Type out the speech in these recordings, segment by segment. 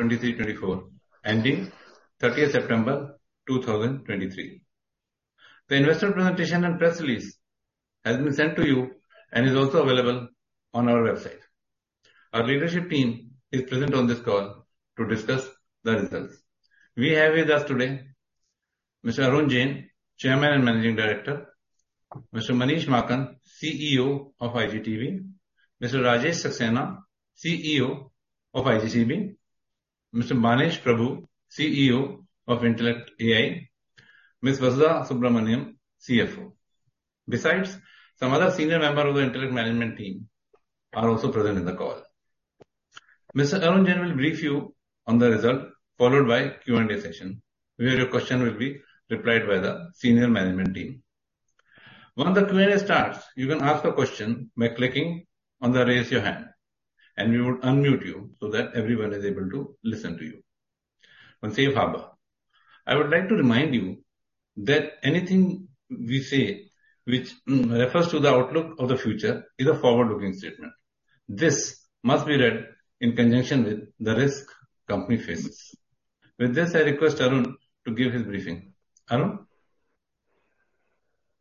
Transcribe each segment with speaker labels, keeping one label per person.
Speaker 1: 2023-2024, ending 30th September 2023. The investor presentation and press release has been sent to you, and is also available on our website. Our leadership team is present on this call to discuss the results. We have with us today Mr. Arun Jain, Chairman and Managing Director; Mr. Manish Maakan, CEO of iGTB; Mr. Rajesh Saxena, CEO of iGCB; Mr. Banesh Prabhu, CEO of IntellectAI; Ms. Vasudha Subramaniam, CFO. Besides, some other senior member of the Intellect management team are also present in the call. Mr. Arun Jain will brief you on the result, followed by Q&A session, where your question will be replied by the senior management team. Once the Q&A starts, you can ask a question by clicking on the Raise Your Hand, and we will unmute you so that everyone is able to listen to you. Once you have, I would like to remind you that anything we say which refers to the outlook of the future is a forward-looking statement. This must be read in conjunction with the risks the company faces. With this, I request Arun to give his briefing. Arun?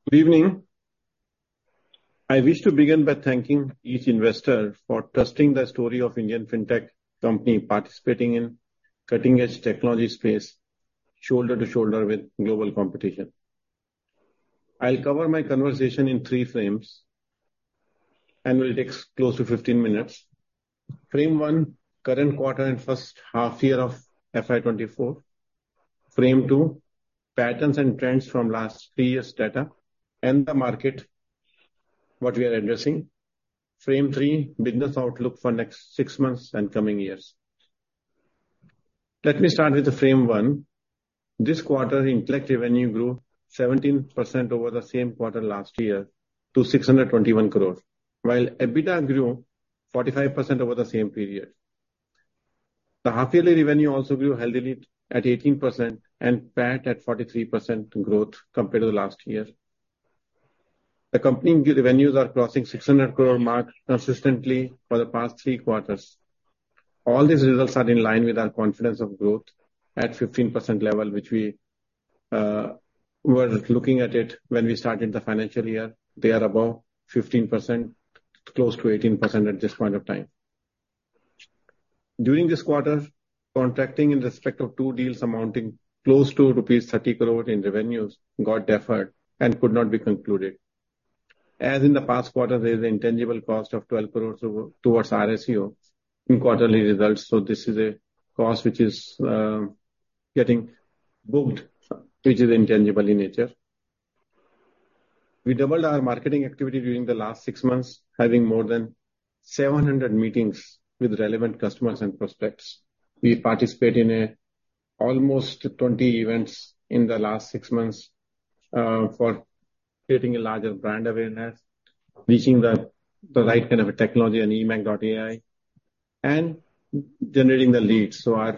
Speaker 2: Good evening. I wish to begin by thanking each investor for trusting the story of Indian fintech company, participating in cutting-edge technology space, shoulder to shoulder with global competition. I'll cover my conversation in three frames, and will take close to 15 minutes. Frame one, current quarter and first half year of FY 2024. Frame two, patterns and trends from last three years' data and the market, what we are addressing. Frame three, business outlook for next six months and coming years. Let me start with the frame one. This quarter, Intellect revenue grew 17% over the same quarter last year to 621 crore, while EBITDA grew 45% over the same period. The half-yearly revenue also grew healthily at 18% and PAT at 43% growth compared to the last year. The company revenues are crossing 600 crore mark consistently for the past three quarters. All these results are in line with our confidence of growth at 15% level, which we were looking at it when we started the financial year. They are above 15%, close to 18% at this point of time. During this quarter, contracting in respect of two deals amounting close to rupees 30 crore in revenues got deferred and could not be concluded. As in the past quarter, there is intangible cost of 12 crore towards RSU in quarterly results, so this is a cost which is getting booked, which is intangible in nature. We doubled our marketing activity during the last six months, having more than 700 meetings with relevant customers and prospects. We participate in almost 20 events in the last six months for creating a larger brand awareness, reaching the right kind of a technology on eMACH.ai, and generating the leads. So,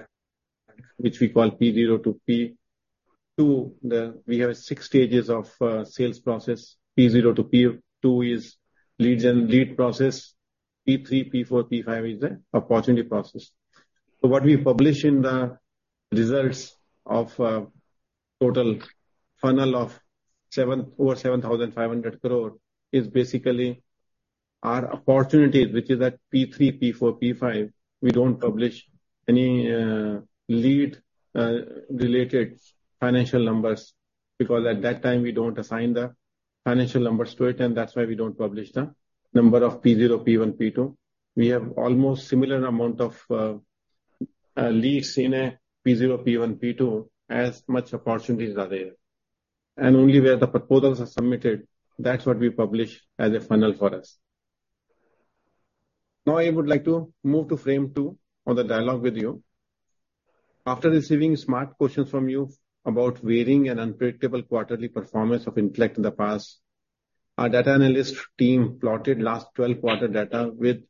Speaker 2: which we call P0 to P2, we have six stages of sales process. P0 to P2 is leads and lead process. P3, P4, P5 is the opportunity process. So what we publish in the results of total funnel of over 7,500 crore is basically our opportunities, which is at P3, P4, P5. We don't publish any lead related financial numbers, because at that time, we don't assign the financial numbers to it, and that's why we don't publish the number of P0, P1, P2. We have almost similar amount of leads in a P0, P1, P2, as much opportunities are there. Only where the proposals are submitted, that's what we publish as a funnel for us. Now, I would like to move to frame two on the dialogue with you. After receiving smart questions from you about varying and unpredictable quarterly performance of Intellect in the past, our data analyst team plotted last 12 quarter data with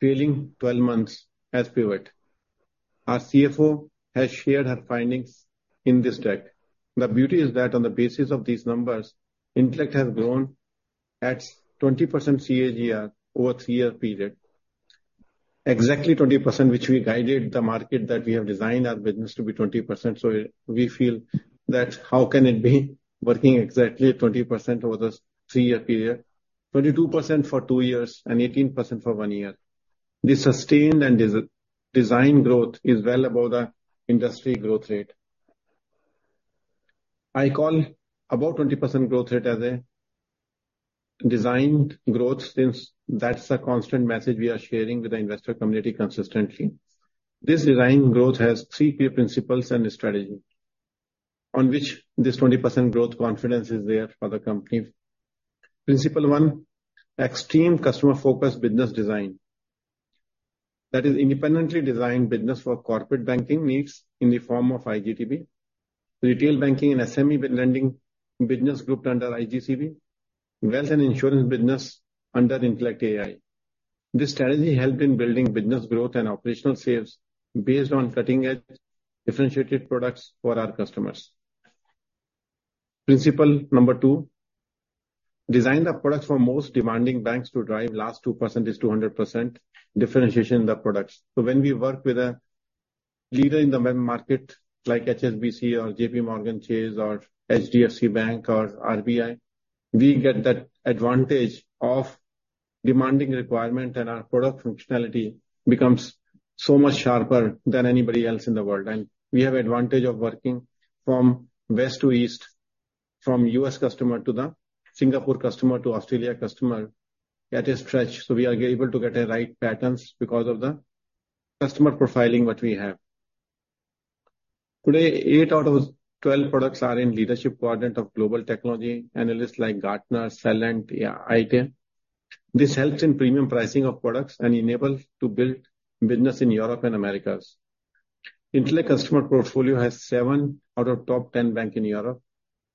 Speaker 2: trailing twelve months as pivot. Our CFO has shared her findings in this deck. The beauty is that on the basis of these numbers, Intellect has grown at 20% CAGR over a three-year period. Exactly 20%, which we guided the market, that we have designed our business to be 20%. So we feel that how can it be working exactly at 20% over the three-year period? 22% for two years and 18% for one year. This sustained and designed growth is well above the industry growth rate. I call about 20% growth rate as a designed growth since that's the constant message we are sharing with the investor community consistently. This designed growth has three key principles and a strategy, on which this 20% growth confidence is there for the company. Principle one: extreme customer-focused business design. That is independently designed business for corporate banking needs in the form of IGTB, retail banking and SME lending business grouped under IGCB, wealth and insurance business under Intellect AI. This strategy helped in building business growth and operational sales based on cutting-edge differentiated products for our customers. Principle number two: Design the products for most demanding banks to drive last 2% is 200% differentiation in the products. So when we work with a leader in the main market, like HSBC or J.P. Morgan Chase or HDFC Bank or RBI, we get that advantage of demanding requirement, and our product functionality becomes so much sharper than anybody else in the world. And we have advantage of working from west to east, from U.S. customer to the Singapore customer to Australia customer at a stretch, so we are able to get the right patterns because of the customer profiling that we have. Today, eight out of 12 products are in leadership quadrant of global technology, analysts like Gartner, Celent, Aite. This helps in premium pricing of products and enables to build business in Europe and Americas. Intellect customer portfolio has seven out of top ten banks in Europe,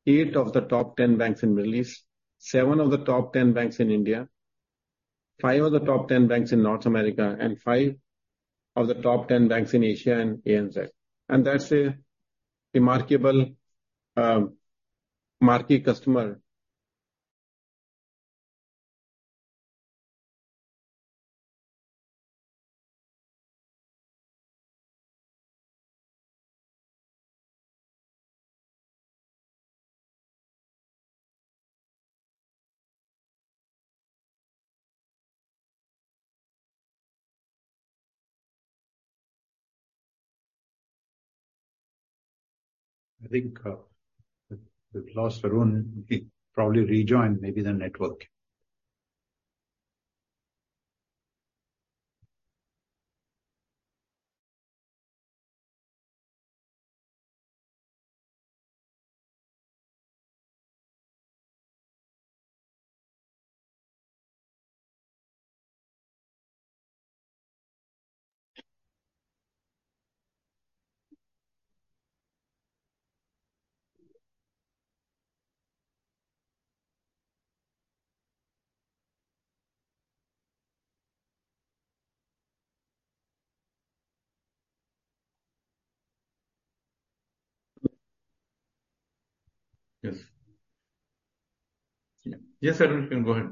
Speaker 2: eight of the top ten banks in Middle East, seven of the top ten banks in India, five of the top ten banks in North America, and five of the top ten banks in Asia and ANZ. That's a remarkable market customer. I think we've lost Arun. He probably rejoined, maybe the network. Yes. Yes, Arun, you can go ahead.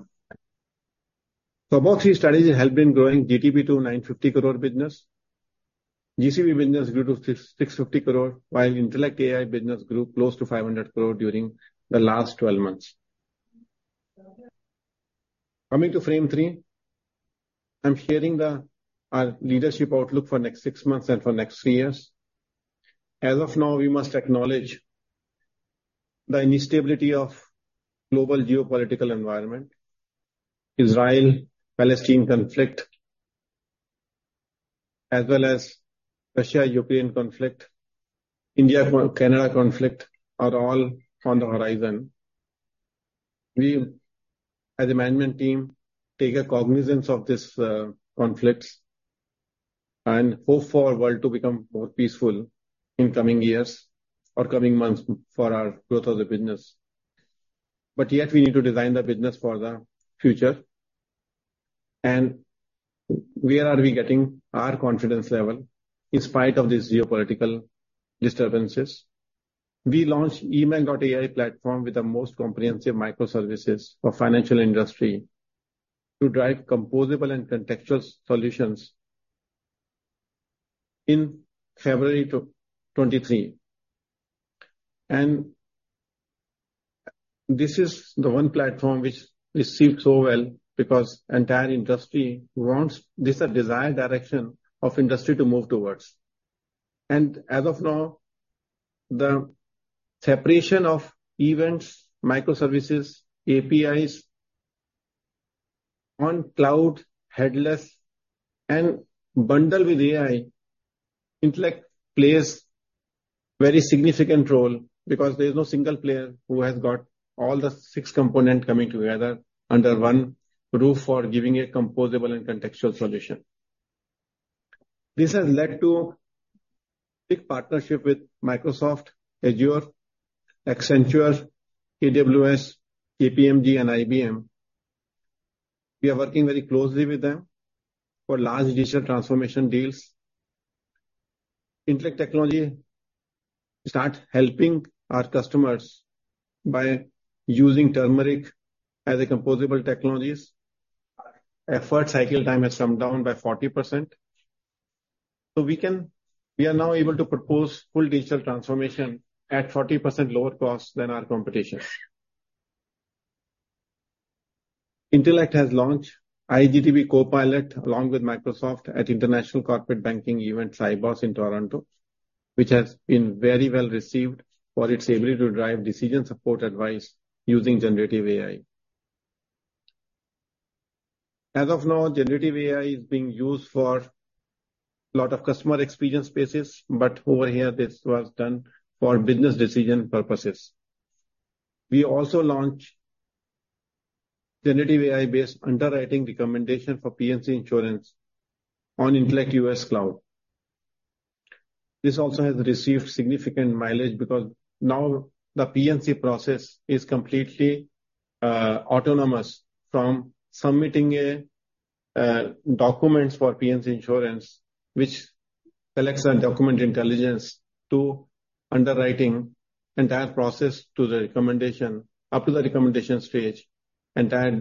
Speaker 2: Above three strategies have been growing iGTB to 950 crore business. iGTB business grew to 650 crore, while IntellectAI business grew close to 500 crore during the last twelve months. Coming to frame three, I'm sharing our leadership outlook for next six months and for next three years. As of now, we must acknowledge the instability of global geopolitical environment. Israel-Palestine conflict, as well as Russia-Ukraine conflict, India-Canada conflict, are all on the horizon. We, as a management team, take cognizance of these conflicts and hope for our world to become more peaceful in coming years or coming months for our growth of the business. But yet we need to design the business for the future. Where are we getting our confidence level in spite of these geopolitical disturbances? We launched eMACH.ai platform with the most comprehensive microservices for financial industry to drive composable and contextual solutions in February 2023. And this is the one platform which received so well because entire industry wants this, a desired direction of industry to move towards. As of now, the separation of events, microservices, APIs on cloud, headless, and bundled with AI, Intellect plays very significant role because there is no single player who has got all the six components coming together under one roof for giving a composable and contextual solution. This has led to big partnership with Microsoft, Azure, Accenture, AWS, KPMG, and IBM. We are working very closely with them for large digital transformation deals. Intellect Technology start helping our customers by using iTurmeric as a composable technologies. Effort cycle time has come down by 40%, so we can. We are now able to propose full digital transformation at 40% lower cost than our competition. Intellect has launched iGTB Copilot, along with Microsoft, at International Corporate Banking event, Sibos, in Toronto, which has been very well received for its ability to drive decision support advice using generative AI. As of now, generative AI is being used for a lot of customer experience spaces, but over here this was done for business decision purposes. We also launched generative AI-based underwriting recommendation for P&C insurance on Intellect U.S. Cloud. This also has received significant mileage because now the P&C process is completely autonomous from submitting documents for P&C Insurance, which collects our document intelligence to underwriting entire process to the recommendation, up to the recommendation stage, and that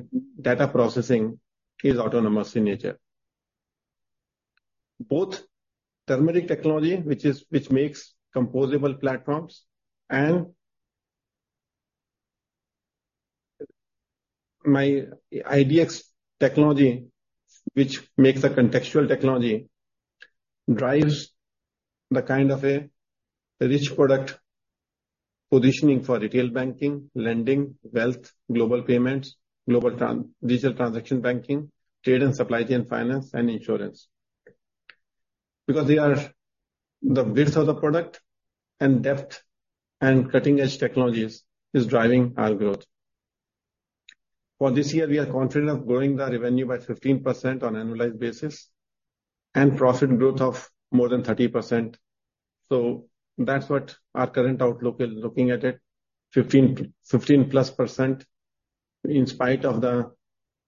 Speaker 2: data processing is autonomous in nature. Both iTurmeric technology, which makes composable platforms, and my IDX technology, which makes a contextual technology, drives the kind of a rich product positioning for retail banking, lending, wealth, global payments, global trans- digital transaction banking, trade and supply chain finance, and insurance. Because they are the width of the product and depth and cutting-edge technologies is driving our growth. For this year, we are confident of growing the revenue by 15% on annualized basis and profit growth of more than 30%. So that's what our current outlook is looking at it, 15, 15%+ in spite of the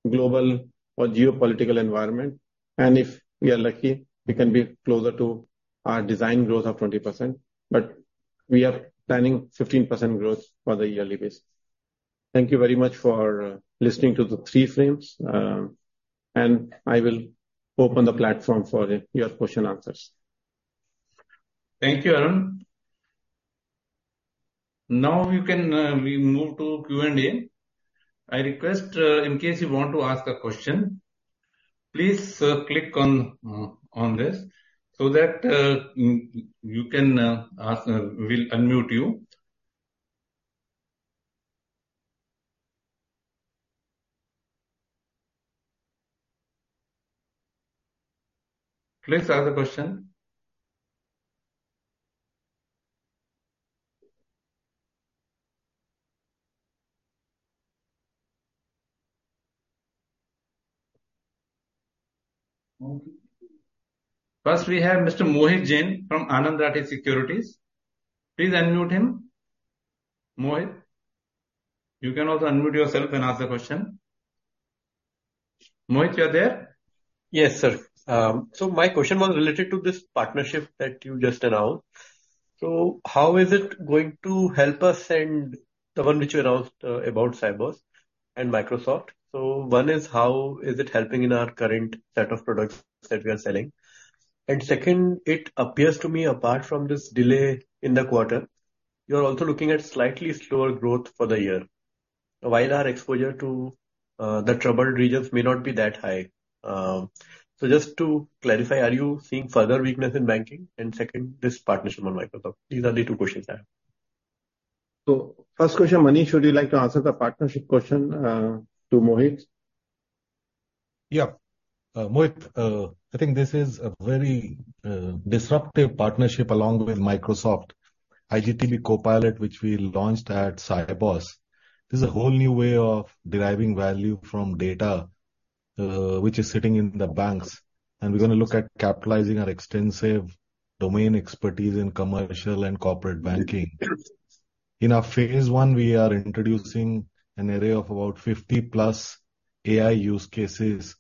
Speaker 2: global or geopolitical environment. And if we are lucky, we can be closer to our design growth of 20%, but we are planning 15% growth for the yearly basis. Thank you very much for listening to the three frames, and I will open the platform for your question answers.
Speaker 1: Thank you, Arun. Now you can, we move to Q&A. I request, in case you want to ask a question, please, click on on this so that you can ask, we'll unmute you. Please ask the question. Okay. First, we have Mr. Mohit Jain from Anand Rathi Securities.
Speaker 2: Please unmute him. Mohit, you can also unmute yourself and ask the question. Mohit, you're there?
Speaker 3: Yes, sir. So my question was related to this partnership that you just announced. So how is it going to help us and the one which you announced about Sibos and Microsoft? So one is, how is it helping in our current set of products that we are selling? And second, it appears to me, apart from this delay in the quarter, you are also looking at slightly slower growth for the year, while our exposure to the troubled regions may not be that high. So just to clarify, are you seeing further weakness in banking? And second, this partnership with Microsoft. These are the two questions I have.
Speaker 2: First question, Manish, would you like to answer the partnership question, to Mohit?
Speaker 4: Yeah. Mohit, I think this is a very disruptive partnership along with Microsoft. iGTB Copilot, which we launched at Sibos, this is a whole new way of deriving value from data, which is sitting in the banks, and we're going to look at capitalizing our extensive domain expertise in commercial and corporate banking. In our phase one, we are introducing an array of about 50+ AI use cases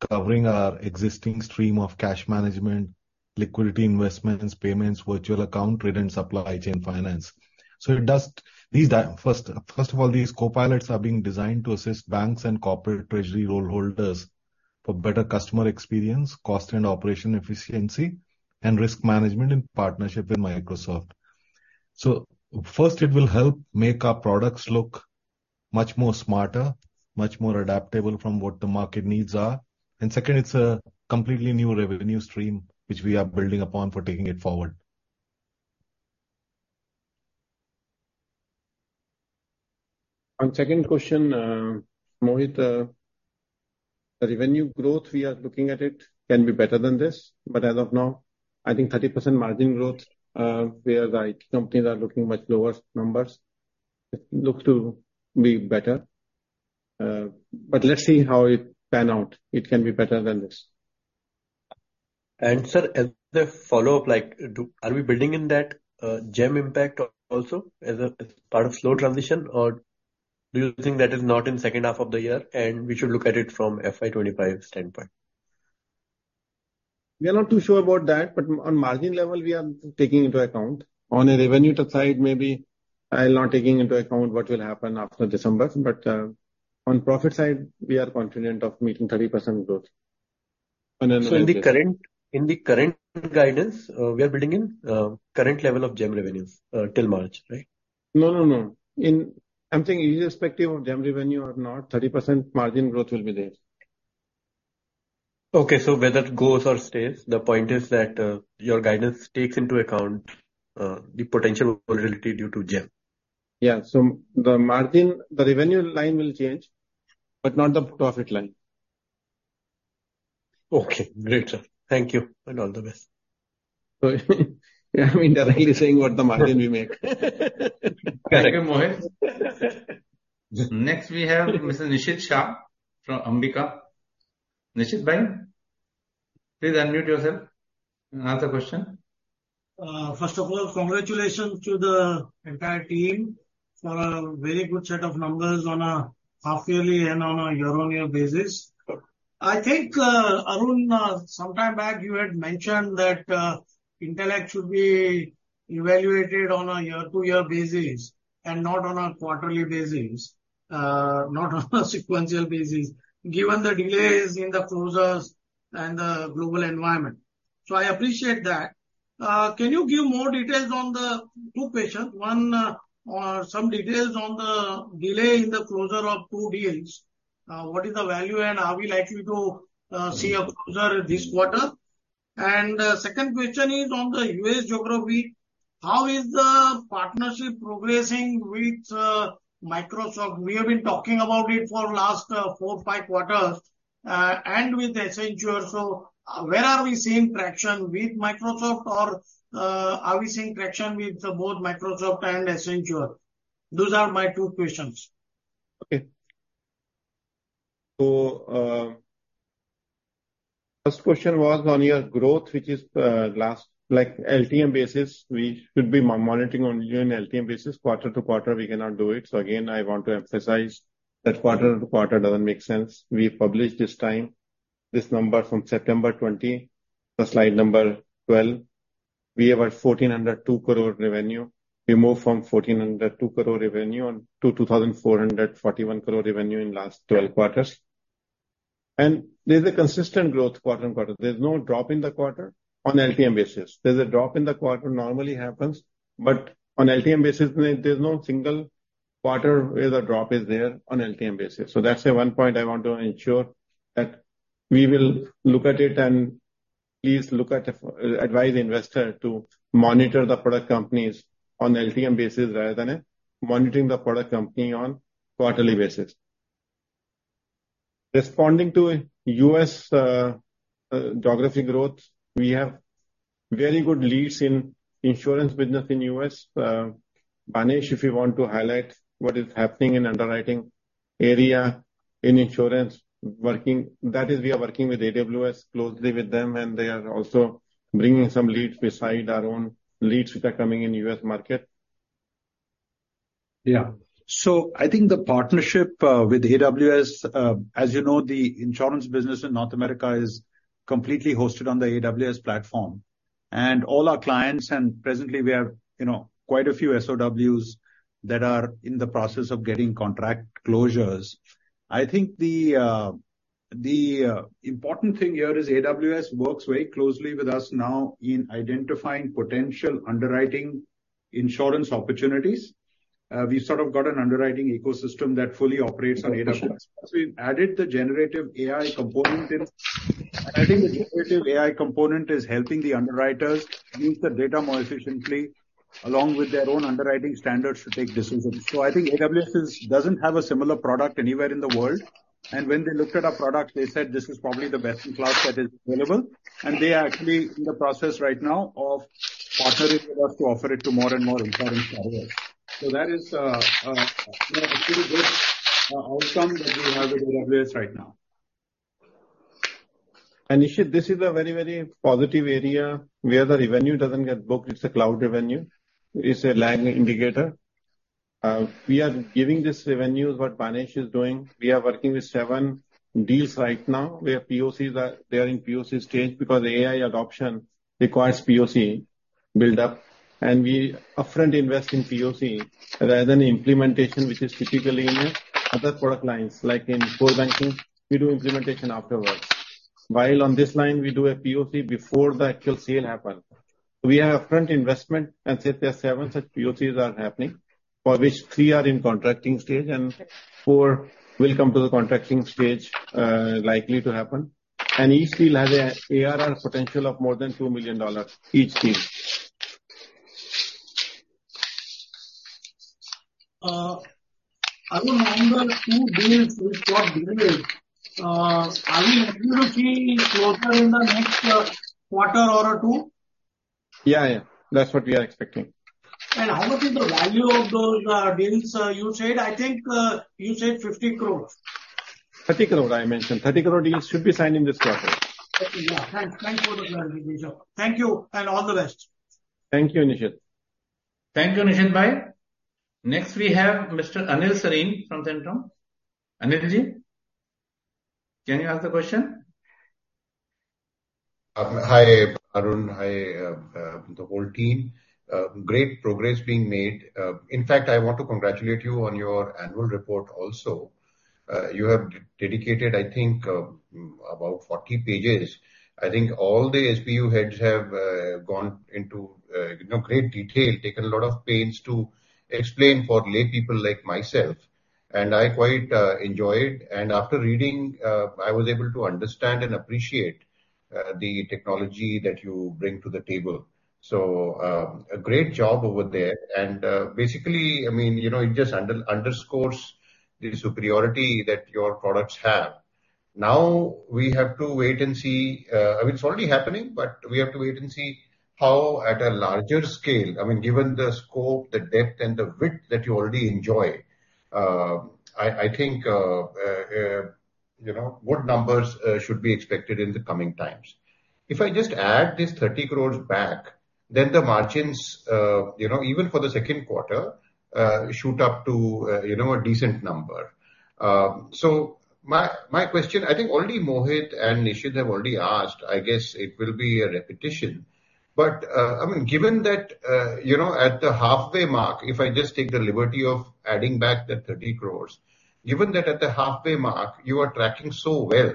Speaker 4: covering our existing stream of cash management, liquidity, investments, payments, virtual account, trade, and supply chain finance. First of all, these copilots are being designed to assist banks and corporate treasury role holders for better customer experience, cost and operation efficiency, and risk management in partnership with Microsoft. So first, it will help make our products look much more smarter, much more adaptable from what the market needs are. Second, it's a completely new revenue stream which we are building upon for taking it forward.
Speaker 2: On second question, Mohit, the revenue growth, we are looking at it, can be better than this, but as of now, I think 30% margin growth, we are right. Companies are looking much lower numbers. It looks to be better, but let's see how it pans out. It can be better than this.
Speaker 3: Sir, as a follow-up, like, are we building in that GeM impact also as part of slow transition? Or do you think that is not in second half of the year, and we should look at it from FY 2025 standpoint?
Speaker 2: We are not too sure about that, but on margin level, we are taking into account. On a revenue side, maybe I'm not taking into account what will happen after December, but on profit side, we are confident of meeting 30% growth on an annual basis.
Speaker 3: So in the current guidance, we are building in current level of GeM revenues till March, right?
Speaker 2: No, no, no. I'm saying irrespective of GeM revenue or not, 30% margin growth will be there.
Speaker 3: Okay, so whether it goes or stays, the point is that your guidance takes into account the potential volatility due to GeM.
Speaker 2: Yeah. So the margin, the revenue line will change, but not the profit line.
Speaker 3: Okay. Great, sir. Thank you, and all the best.
Speaker 2: So I'm indirectly saying what the margin we make.
Speaker 1: Thank you, Mohit. Next, we have Mr. Nishid Shah from Ambika. Nishid Shah... Please unmute yourself and ask the question.
Speaker 5: First of all, congratulations to the entire team for a very good set of numbers on a half yearly and on a year-on-year basis. I think, Arun, some time back you had mentioned that, Intellect should be evaluated on a year-to-year basis and not on a quarterly basis, not on a sequential basis, given the delays in the closures and the global environment. So I appreciate that. Can you give more details on the two questions? One, on some details on the delay in the closure of two deals. What is the value, and are we likely to see a closure this quarter? And second question is on the U.S. geography. How is the partnership progressing with, Microsoft? We have been talking about it for last, four, five quarters, and with Accenture. So where are we seeing traction with Microsoft or are we seeing traction with both Microsoft and Accenture? Those are my two questions.
Speaker 2: Okay. So, first question was on your growth, which is, last like LTM basis. We should be monitoring on year and LTM basis. Quarter-to-quarter, we cannot do it. So again, I want to emphasize that quarter-to-quarter doesn't make sense. We published this time, this number from September 2020, the slide number 12. We have a 142 crore revenue. We moved from 142 crore revenue on to 2,441 crore revenue in last twelve quarters. And there's a consistent growth quarter on quarter. There's no drop in the quarter on LTM basis. There's a drop in the quarter normally happens, but on LTM basis, there's no single quarter where the drop is there on LTM basis. So that's the one point I want to ensure, that we will look at it and please look at the advise the investor to monitor the product companies on LTM basis rather than monitoring the product company on quarterly basis. Responding to U.S. geography growth, we have very good leads in insurance business in U.S. Banesh, if you want to highlight what is happening in underwriting area, in insurance working. That is, we are working with AWS, closely with them, and they are also bringing some leads beside our own leads which are coming in U.S. market.
Speaker 6: Yeah. So I think the partnership with AWS, as you know, the insurance business in North America is completely hosted on the AWS platform. And all our clients, and presently we have, you know, quite a few SOWs that are in the process of getting contract closures. I think the important thing here is AWS works very closely with us now in identifying potential underwriting insurance opportunities. We've sort of got an underwriting ecosystem that fully operates on AWS. So we've added the generative AI component in. I think the generative AI component is helping the underwriters use the data more efficiently, along with their own underwriting standards to take decisions. So I think AWS doesn't have a similar product anywhere in the world, and when they looked at our product, they said this is probably the best in cloud that is available. They are actually in the process right now of partnering with us to offer it to more and more insurance providers. That is one of the pretty good outcomes that we have with AWS right now.
Speaker 2: Nishit, this is a very, very positive area where the revenue doesn't get booked, it's a cloud revenue. It's a lag indicator. We are giving this revenue, is what Banesh is doing. We are working with deals deals right now, where POCs are - they are in POC stage, because AI adoption requires POC build-up. We upfront invest in POC rather than implementation, which is typically in other product lines. Like in core banking, we do implementation afterwards. While on this line, we do a POC before the actual sale happens. We have upfront investment, and since there are seven such POCs are happening, for which three are in contracting stage and four will come to the contracting stage, likely to happen. Each deal has a ARR potential of more than $2 million, each deal.
Speaker 5: Arun, number two deals which got delayed, are we likely to see closure in the next quarter or two?
Speaker 2: Yeah, yeah. That's what we are expecting.
Speaker 5: How much is the value of those deals? You said, I think, you said 50 crore.
Speaker 2: 30 crore, I mentioned. 30 crore deals should be signed in this quarter.
Speaker 5: Yeah. Thanks. Thanks for the clarification. Thank you, and all the best.
Speaker 2: Thank you, Nishit.
Speaker 3: Thank you, Nishit bhai.
Speaker 1: Next, we have Mr. Anil Sarin from Centrum. Anilji, can you ask the question?
Speaker 7: Hi, Arun, hi, the whole team. Great progress being made. In fact, I want to congratulate you on your annual report also. You have dedicated, I think, about 40 pages. I think all the SBU heads have gone into, you know, great detail, taken a lot of pains to explain for lay people like myself, and I quite enjoyed. And after reading, I was able to understand and appreciate the technology that you bring to the table. So, a great job over there. And basically, I mean, you know, it just underscores the superiority that your products have. Now, we have to wait and see, I mean, it's already happening, but we have to wait and see how at a larger scale, I mean, given the scope, the depth and the width that you already enjoy... I think, you know, good numbers should be expected in the coming times. If I just add this 30 crore back, then the margins, you know, even for the second quarter, shoot up to, you know, a decent number. So my question, I think already Mohit and Nishit have already asked, I guess it will be a repetition. But, I mean, given that, you know, at the halfway mark, if I just take the liberty of adding back the 30 crore, given that at the halfway mark you are tracking so well,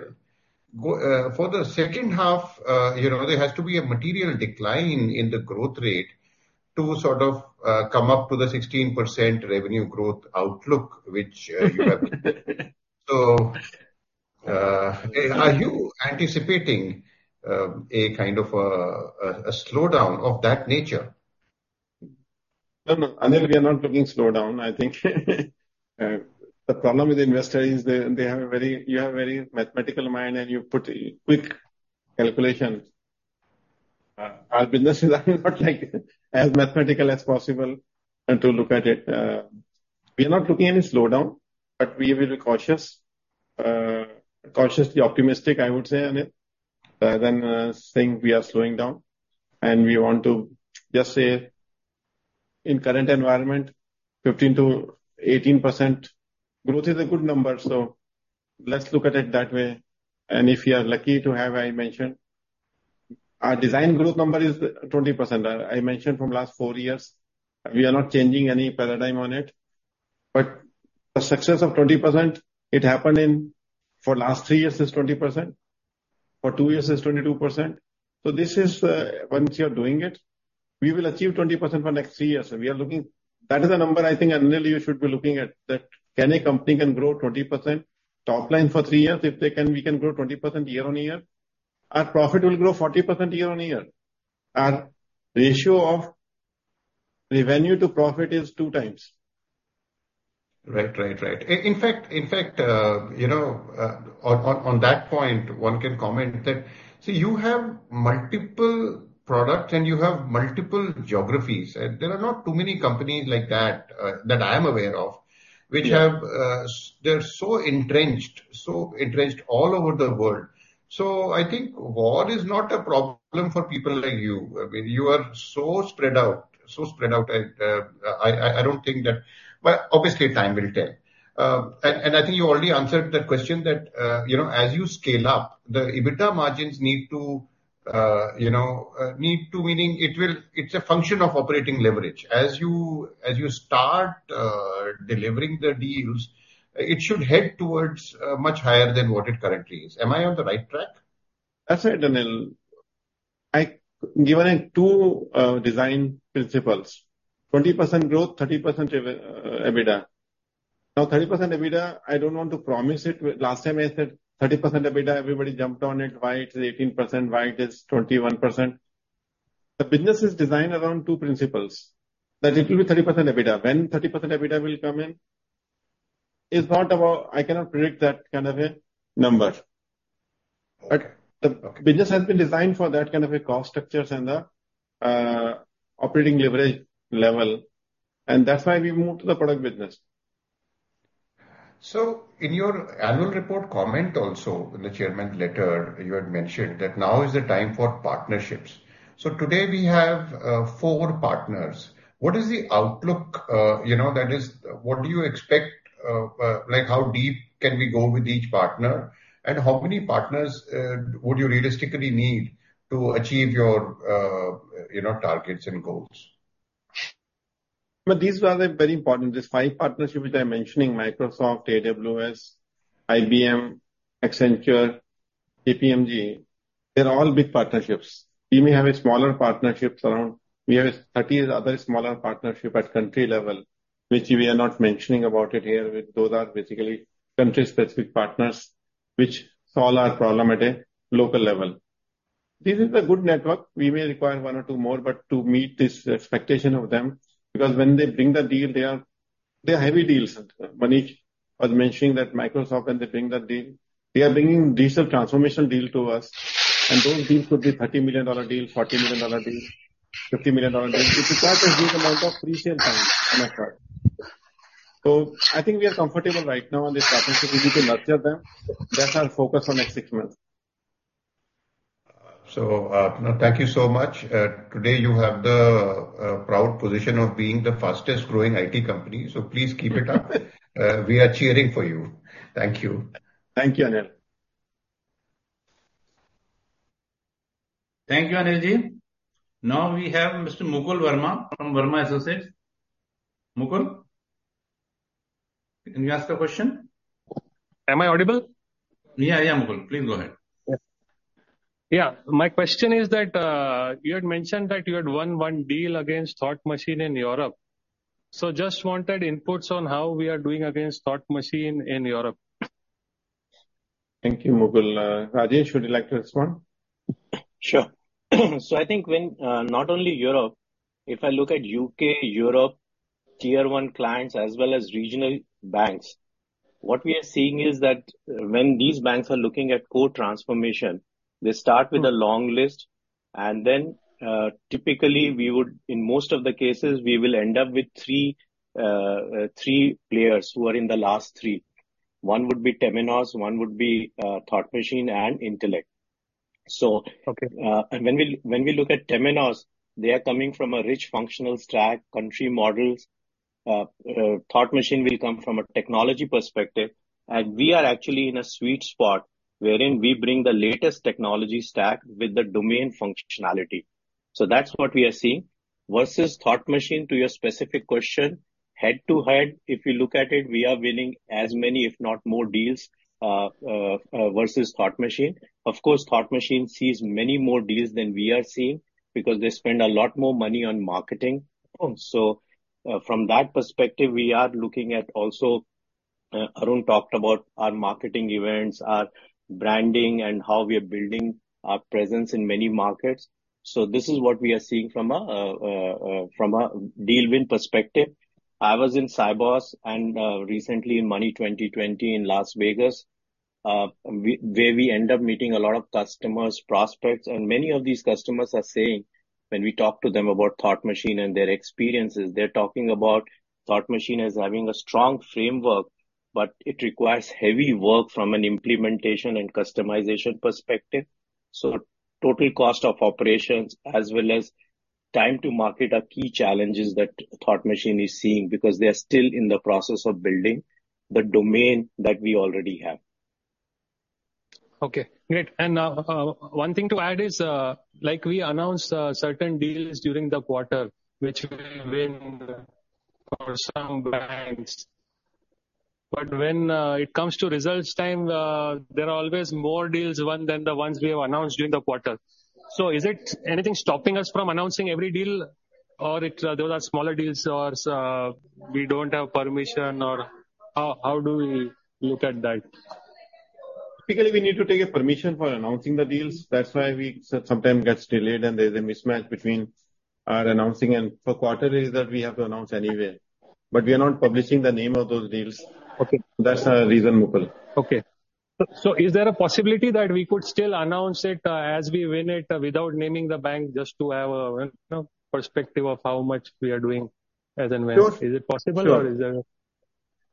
Speaker 7: for the second half, you know, there has to be a material decline in the growth rate to sort of, come up to the 16% revenue growth outlook, which, you have. So, are you anticipating, a kind of a slowdown of that nature?
Speaker 2: No, no, Anil, we are not looking slowdown. I think the problem with the investor is they, they have a very, you have a very mathematical mind, and you put quick calculations. Our business is not like as mathematical as possible, and to look at it, we are not looking any slowdown, but we will be cautious. Cautiously optimistic, I would say, Anil, than saying we are slowing down. And we want to just say, in current environment, 15%-18% growth is a good number, so let's look at it that way. And if we are lucky to have, I mentioned, our design growth number is 20%. I mentioned from last four years, we are not changing any paradigm on it. But the success of 20%, it happened in, for last three years is 20%, for two years is 22%. So this is, once you are doing it, we will achieve 20% for next three years, and we are looking... That is a number I think, Anil, you should be looking at, that can a company can grow 20% top line for three years? If they can, we can grow 20% year-on-year, our profit will grow 40% year-on-year. Our ratio of revenue to profit is 2 times.
Speaker 7: Right, right, right. In fact, you know, on that point, one can comment that, so you have multiple products, and you have multiple geographies. And there are not too many companies like that, that I am aware of-
Speaker 2: Yeah...
Speaker 7: which have, they're so entrenched, so entrenched all over the world. So I think war is not a problem for people like you. I mean, you are so spread out, so spread out, I don't think that... But obviously time will tell. And I think you already answered that question that, you know, as you scale up, the EBITDA margins need to, you know, need to meaning it will, it's a function of operating leverage. As you, as you start, delivering the deals, it should head towards, much higher than what it currently is. Am I on the right track?
Speaker 2: That's right, Anil. I given it two design principles: 20% growth, 30% EV EBITDA. Now, 30% EBITDA, I don't want to promise it. Last time I said 30% EBITDA, everybody jumped on it. Why it is 18%? Why it is 21%? The business is designed around two principles, that it will be 30% EBITDA. When 30% EBITDA will come in is not about, I cannot predict that kind of a number.
Speaker 7: Okay.
Speaker 2: The business has been designed for that kind of a cost structures and the operating leverage level, and that's why we moved to the product business.
Speaker 7: So in your annual report comment also, in the chairman's letter, you had mentioned that now is the time for partnerships. So today we have four partners. What is the outlook, you know, that is, what do you expect, like, how deep can we go with each partner? And how many partners would you realistically need to achieve your, you know, targets and goals?
Speaker 2: But these are very important. These five partnerships which I'm mentioning, Microsoft, AWS, IBM, Accenture, KPMG, they're all big partnerships. We may have a smaller partnerships around. We have 30 other smaller partnership at country level, which we are not mentioning about it here, which those are basically country-specific partners which solve our problem at a local level. This is a good network. We may require one or two more, but to meet this expectation of them, because when they bring the deal, they are, they are heavy deals. Manish was mentioning that Microsoft, when they bring the deal, they are bringing digital transformation deal to us, and those deals could be $30 million deal, $40 million deal, $50 million deal. It requires a huge amount of pre-sale time on our part. So I think we are comfortable right now on this partnership. We need to nurture them. That's our focus for next six months.
Speaker 7: Thank you so much. Today you have the proud position of being the fastest growing IT company, so please keep it up. We are cheering for you. Thank you.
Speaker 2: Thank you, Anil.
Speaker 1: Thank you, Anil Ji. Now we have Mr. Mukul Verma from Verma Associates. Mukul, can you ask the question?
Speaker 8: Am I audible?
Speaker 1: Yeah, I am, Mukul. Please go ahead.
Speaker 8: Yeah. My question is that you had mentioned that you had won one deal against Thought Machine in Europe. So just wanted inputs on how we are doing against Thought Machine in Europe.
Speaker 2: Thank you, Mukul. Rajesh, would you like to respond?
Speaker 9: Sure. So I think when, not only Europe, if I look at U.K., Europe, Tier One clients, as well as regional banks-
Speaker 2: ...What we are seeing is that when these banks are looking at core transformation, they start with a long list, and then, typically we would, in most of the cases, we will end up with three players who are in the last three. One would be Temenos, one would be Thought Machine and Intellect. So-
Speaker 8: Okay.
Speaker 2: When we look at Temenos, they are coming from a rich functional stack, country models. Thought Machine will come from a technology perspective, and we are actually in a sweet spot wherein we bring the latest technology stack with the domain functionality. So that's what we are seeing. Versus Thought Machine, to your specific question, head-to-head, if you look at it, we are winning as many, if not more deals, versus Thought Machine. Of course, Thought Machine sees many more deals than we are seeing, because they spend a lot more money on marketing.
Speaker 8: Mm.
Speaker 2: So, from that perspective, we are looking at also, Arun talked about our marketing events, our branding, and how we are building our presence in many markets. So this is what we are seeing from a deal win perspective. I was in Sibos and recently in Money 20/20 in Las Vegas, where we end up meeting a lot of customers, prospects, and many of these customers are saying when we talk to them about Thought Machine and their experiences, they're talking about Thought Machine as having a strong framework, but it requires heavy work from an implementation and customization perspective. So total cost of operations as well as time to market are key challenges that Thought Machine is seeing, because they are still in the process of building the domain that we already have.
Speaker 8: Okay, great. And one thing to add is, like we announced, certain deals during the quarter, which we win for some banks. But when it comes to results time, there are always more deals, one, than the ones we have announced during the quarter. So is it anything stopping us from announcing every deal, or it those are smaller deals, or we don't have permission, or how, how do we look at that?
Speaker 2: Typically, we need to take a permission for announcing the deals. That's why we sometime gets delayed and there's a mismatch between our announcing and... For quarter is that we have to announce anyway, but we are not publishing the name of those deals.
Speaker 8: Okay.
Speaker 2: That's the reason, Mukul.
Speaker 8: Okay. So, is there a possibility that we could still announce it as we win it without naming the bank, just to have a, you know, perspective of how much we are doing as and when?
Speaker 2: Sure.
Speaker 8: Is it possible or is there-
Speaker 2: Sure.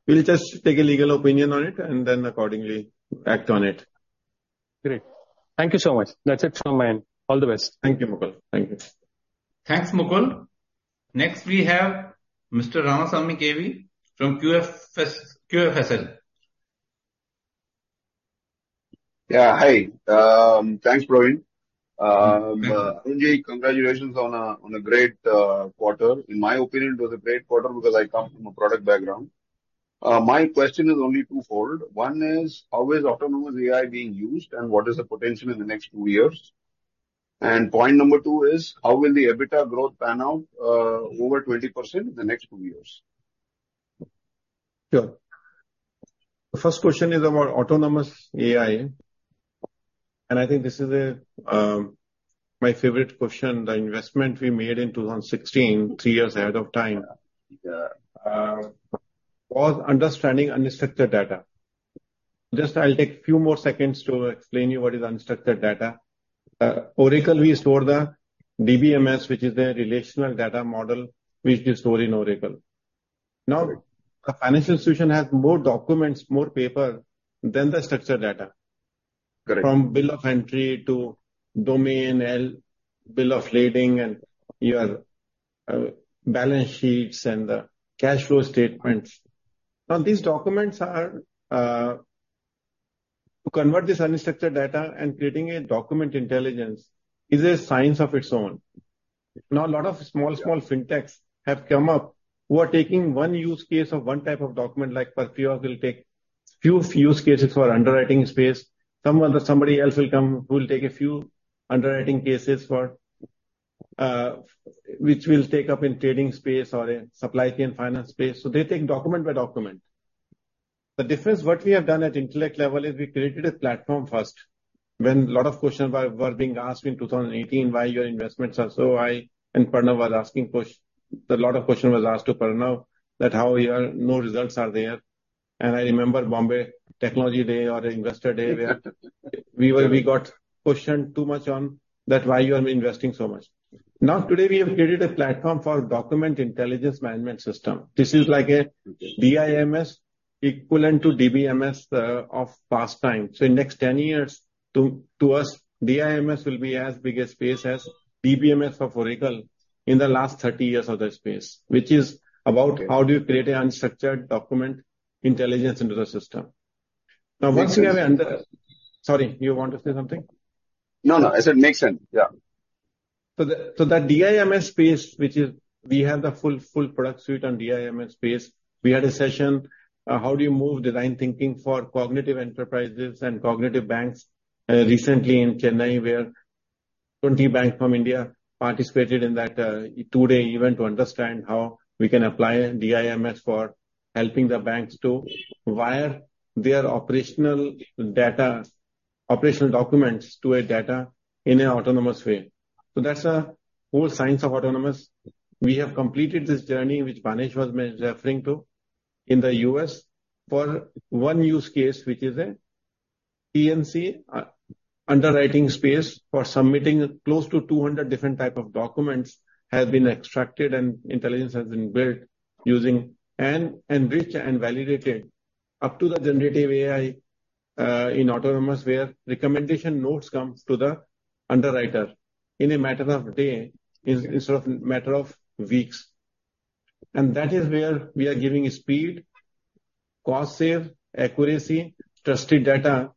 Speaker 2: We'll just take a legal opinion on it and then accordingly act on it.
Speaker 8: Great. Thank you so much. That's it from my end. All the best.
Speaker 2: Thank you, Mukul. Thank you.
Speaker 1: Thanks, Mukul. Next, we have Mr. Ramasamy KV from QFS, QFSL.
Speaker 10: Yeah, hi. Thanks, Praveen. Arun J, congratulations on a great quarter. In my opinion, it was a great quarter because I come from a product background. My question is only twofold. One is: how is autonomous AI being used, and what is the potential in the next two years? Point number two is: how will the EBITDA growth pan out over 20% in the next two years?
Speaker 2: Sure. The first question is about autonomous AI, and I think this is a, my favorite question. The investment we made in 2016, three years ahead of time, was understanding unstructured data. Just I'll take few more seconds to explain you what is unstructured data. Oracle, we store the DBMS, which is a relational data model, which we store in Oracle. Now, a financial institution has more documents, more paper than the structured data.
Speaker 10: Correct.
Speaker 2: From bill of entry to domain, bill of lading and your balance sheets and the cash flow statements. Now, these documents are to convert this unstructured data and creating a document intelligence is a science of its own. Now, a lot of small fintechs have come up who are taking one use case of one type of document, like Perfios will take a few use cases for underwriting space. Someone or somebody else will come, who will take a few underwriting cases for, which will take up in trading space or in supply chain finance space. So they take document by document. The difference, what we have done at Intellect level is we created a platform first. When a lot of questions were being asked in 2018, why your investments are so high? Parna was asking questions. A lot of questions were asked to Parna, that how you are... no results are there. I remember Bombay Technology Day or Investor Day where we were, we got questioned too much on that why you are investing so much. Now, today, we have created a platform for document intelligence management system. This is like a DIMS equivalent to DBMS of past time. So in next 10 years, to us, DIMS will be as big a space as DBMS of Oracle in the last 30 years of the space, which is about-
Speaker 10: Okay.
Speaker 2: How do you create an unstructured document intelligence into the system? Now, once we have under-
Speaker 10: Makes sense-
Speaker 2: Sorry, you want to say something?
Speaker 10: No, no, I said makes sense. Yeah.
Speaker 2: So the DIMS space, which is we have the full, full product suite on DIMS space. We had a session, how do you move design thinking for cognitive enterprises and cognitive banks, recently in Chennai, where 20 banks from India participated in that, two-day event to understand how we can apply DIMS for helping the banks to wire their operational documents to a data in an autonomous way. So that's the whole science of autonomous. We have completed this journey, which Manish was referring to in the U.S. for one use case, which is a P&C underwriting space for submitting close to 200 different type of documents has been extracted and intelligence has been built using and enriched and validated up to the generative AI in autonomous, where recommendation notes comes to the underwriter in a matter of day instead of matter of weeks. And that is where we are giving speed, cost save, accuracy, trusted data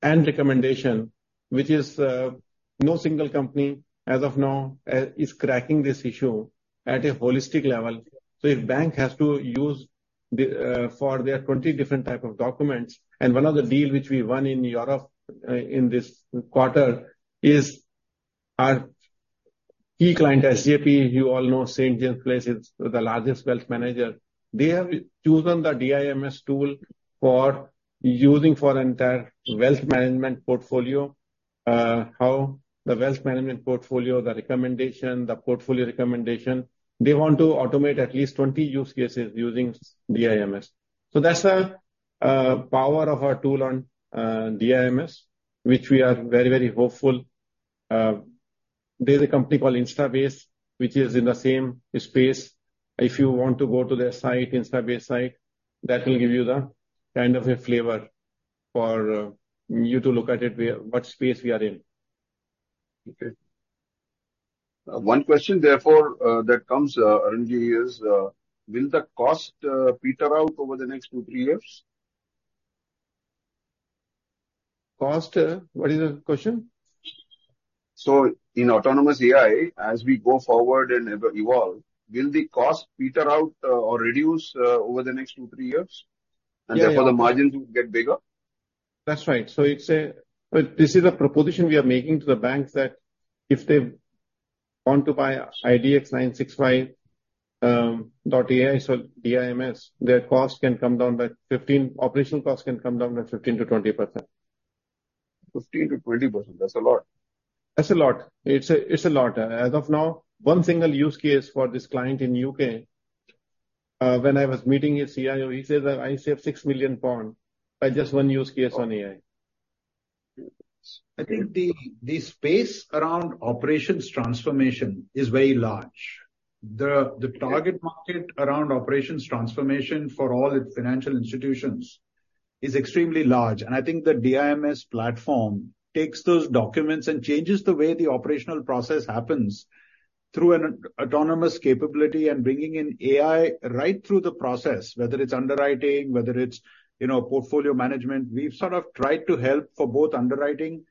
Speaker 2: and recommendation, which is no single company as of now is cracking this issue at a holistic level. So if bank has to use the for their 20 different type of documents, and one of the deal which we won in Europe in this quarter is our key client, SJP. You all know St. James's Place is the largest wealth manager. They have chosen the DIMS tool for using for entire wealth management portfolio. How the wealth management portfolio, the recommendation, the portfolio recommendation. They want to automate at least 20 use cases using DIMS. So that's the power of our tool on DIMS, which we are very, very hopeful. There's a company called Instabase, which is in the same space. If you want to go to their site, Instabase site, that will give you the kind of a flavor for you to look at it, where, what space we are in.
Speaker 10: Okay. One question therefore that comes, Arunji, is will the cost peter out over the next two, three years?
Speaker 2: Cost, what is the question?
Speaker 10: So in autonomous AI, as we go forward and evolve, will the cost peter out, or reduce, over the next two, three years?
Speaker 2: Yeah, yeah.
Speaker 10: Therefore, the margins will get bigger?
Speaker 2: That's right. So it's well, this is a proposition we are making to the banks, that if they want to buy IDX 965, dot AI, so DIMS, their operational costs can come down by 15%-20%.
Speaker 10: 15%-20%, that's a lot.
Speaker 2: That's a lot. It's a, it's a lot. As of now, one single use case for this client in U.K., when I was meeting his CIO, he said that, "I saved 6 million pounds by just one use case on AI.
Speaker 6: I think the space around operations transformation is very large. The target market around operations transformation for all its financial institutions is extremely large, and I think the DIMS platform takes those documents and changes the way the operational process happens through an autonomous capability and bringing in AI right through the process, whether it's underwriting, whether it's, you know, portfolio management. We've sort of tried to help for both underwriting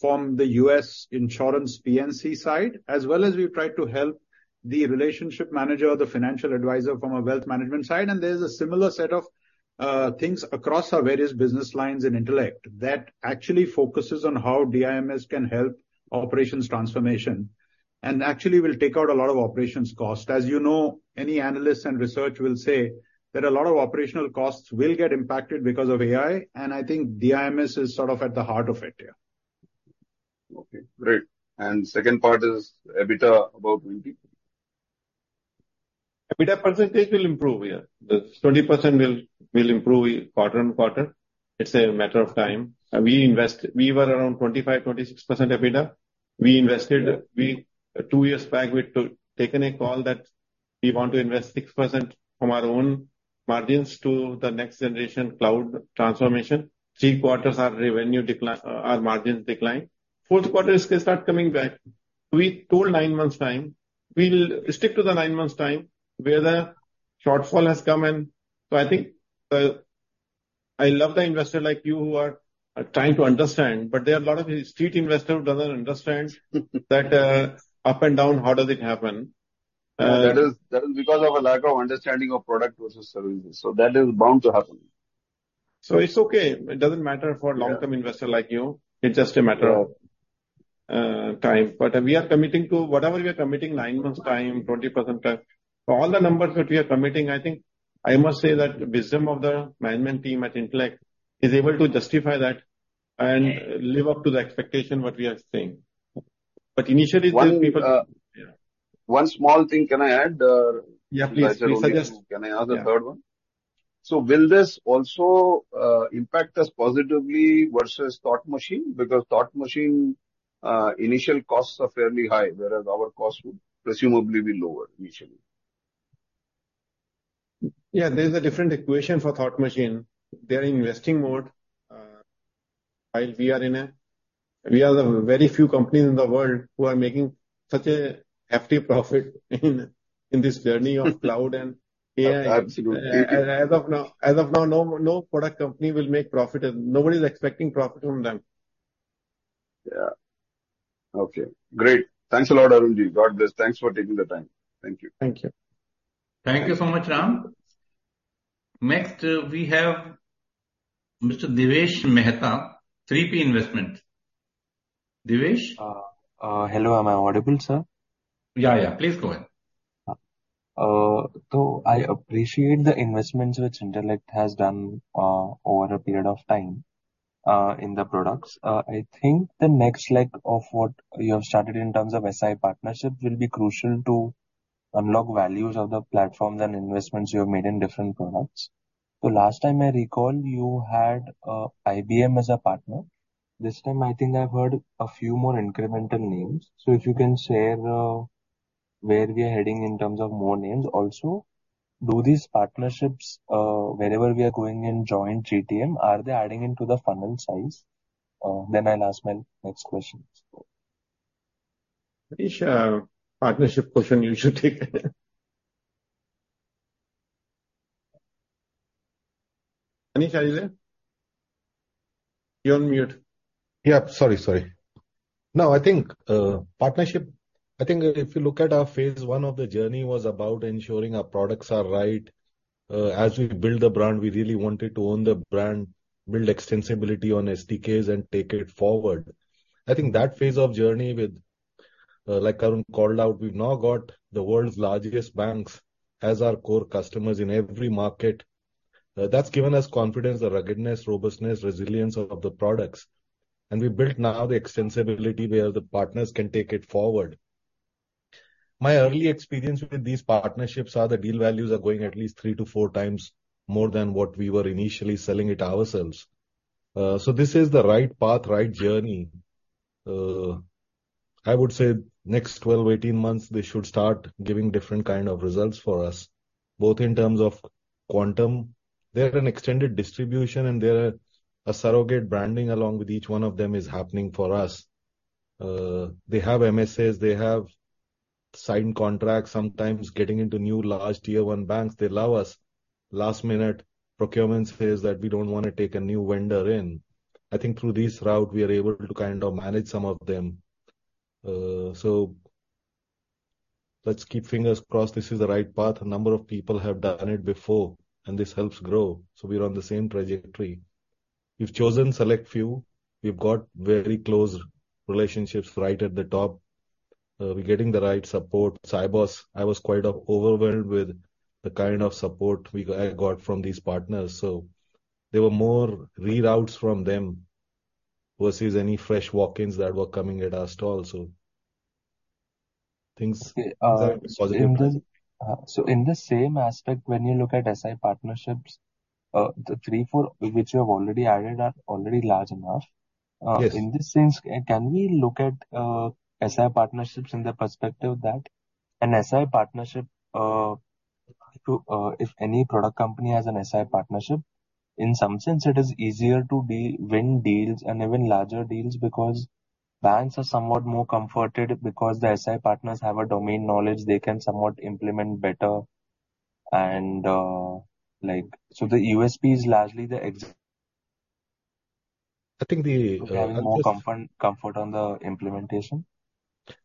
Speaker 6: from the U.S. insurance P&C side, as well as we've tried to help the relationship manager or the financial advisor from a wealth management side. And there's a similar set of things across our various business lines in Intellect that actually focuses on how DIMS can help operations transformation, and actually will take out a lot of operations cost. As you know, any analyst and research will say that a lot of operational costs will get impacted because of AI, and I think DIMS is sort of at the heart of it, yeah.
Speaker 10: Okay, great. Second part is EBITDA, about 20.
Speaker 2: EBITDA percentage will improve, yeah. The 20% will improve quarter-on-quarter. It's a matter of time. We were around 25%-26% EBITDA. We invested-
Speaker 10: Yeah.
Speaker 2: We, two years back, we'd taken a call that we want to invest 6% from our own margins to the next generation cloud transformation. Three quarters, our revenue decline, our margins declined. Fourth quarter it can start coming back. We told nine months' time, we'll stick to the nine months' time, where the shortfall has come in. So I think, I love the investor like you who are trying to understand, but there are a lot of street investors who doesn't understand that, up and down, how does it happen?
Speaker 10: That is because of a lack of understanding of product versus services, so that is bound to happen.
Speaker 2: So it's okay. It doesn't matter for-
Speaker 10: Yeah...
Speaker 2: long-term investor like you. It's just a matter of-
Speaker 10: Sure...
Speaker 2: time. But we are committing to whatever we are committing, nine months' time, 20% time. For all the numbers that we are committing, I think I must say that wisdom of the management team at Intellect is able to justify that and live up to the expectation what we are saying. But initially, some people-
Speaker 10: One, uh-
Speaker 2: Yeah.
Speaker 10: One small thing, can I add?
Speaker 2: Yeah, please. Please suggest.
Speaker 10: Can I add a third one?
Speaker 2: Yeah.
Speaker 10: So will this also impact us positively versus Thought Machine? Because Thought Machine initial costs are fairly high, whereas our costs would presumably be lower, initially.
Speaker 2: Yeah, there's a different equation for Thought Machine. They are in investing mode, while we are. We are the very few companies in the world who are making such a hefty profit in this journey of cloud and AI.
Speaker 10: Absolutely.
Speaker 2: As of now, no product company will make profit, and nobody's expecting profit from them.
Speaker 10: Yeah. Okay, great. Thanks a lot, Arunji. Got this. Thanks for taking the time. Thank you.
Speaker 2: Thank you.
Speaker 6: Thank you so much, Ram. Next, we have Mr. Divesh Mehta, 3P Investment. Divesh?
Speaker 11: Hello, am I audible, sir?
Speaker 6: Yeah, yeah, please go ahead....
Speaker 11: So I appreciate the investments which Intellect has done over a period of time in the products. I think the next leg of what you have started in terms of SI partnership will be crucial to unlock values of the platforms and investments you have made in different products. The last time I recall, you had IBM as a partner. This time I think I've heard a few more incremental names. So if you can share where we are heading in terms of more names. Also, do these partnerships, wherever we are going in joint GTM, are they adding into the funnel size? Then I'll ask my next question.
Speaker 2: Manish, partnership question, you should take it. Manish, are you there? You're on mute.
Speaker 4: Yeah. Sorry, sorry. No, I think, partnership, I think if you look at our phase one of the journey was about ensuring our products are right. As we build the brand, we really wanted to own the brand, build extensibility on SDKs and take it forward. I think that phase of journey with, like Arun called out, we've now got the world's largest banks as our core customers in every market. That's given us confidence, the ruggedness, robustness, resilience of the products. And we built now the extensibility where the partners can take it forward. My early experience with these partnerships are the deal values are going at least three-four times more than what we were initially selling it ourselves. So this is the right path, right journey. I would say next 12, 18 months, they should start giving different kind of results for us, both in terms of quantum. They're an extended distribution and they're a surrogate branding along with each one of them is happening for us. They have MSAs, they have signed contracts, sometimes getting into new large tier one banks. They allow us last minute procurement phase that we don't want to take a new vendor in. I think through this route, we are able to kind of manage some of them. So let's keep fingers crossed this is the right path. A number of people have done it before, and this helps grow, so we're on the same trajectory. We've chosen select few. We've got very close relationships right at the top. We're getting the right support. Sibos, I was quite overwhelmed with the kind of support we got, I got from these partners, so there were more readouts from them versus any fresh walk-ins that were coming at our store also. Things-
Speaker 11: Okay, uh-
Speaker 4: Positive.
Speaker 11: In the same aspect, when you look at SI partnerships, the 3, 4, which you have already added, are already large enough.
Speaker 4: Yes.
Speaker 11: In this sense, can we look at SI partnerships in the perspective that an SI partnership to if any product company has an SI partnership, in some sense, it is easier to deal, win deals and even larger deals because banks are somewhat more comforted because the SI partners have a domain knowledge they can somewhat implement better. And, like... so the USP is largely the ex-
Speaker 4: I think the,
Speaker 11: More comfort, comfort on the implementation.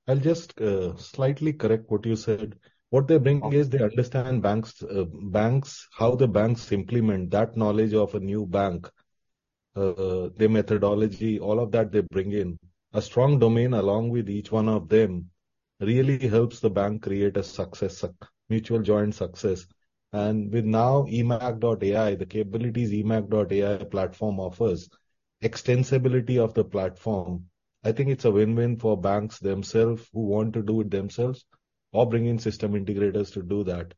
Speaker 4: I'll just slightly correct what you said. What they bring is they understand banks, banks, how the banks implement that knowledge of a new bank, their methodology, all of that, they bring in. A strong domain along with each one of them, really helps the bank create a success, mutual joint success. And with now eMACH.ai, the capabilities eMACH.ai platform offers, extensibility of the platform, I think it's a win-win for banks themselves who want to do it themselves or bring in system integrators to do that.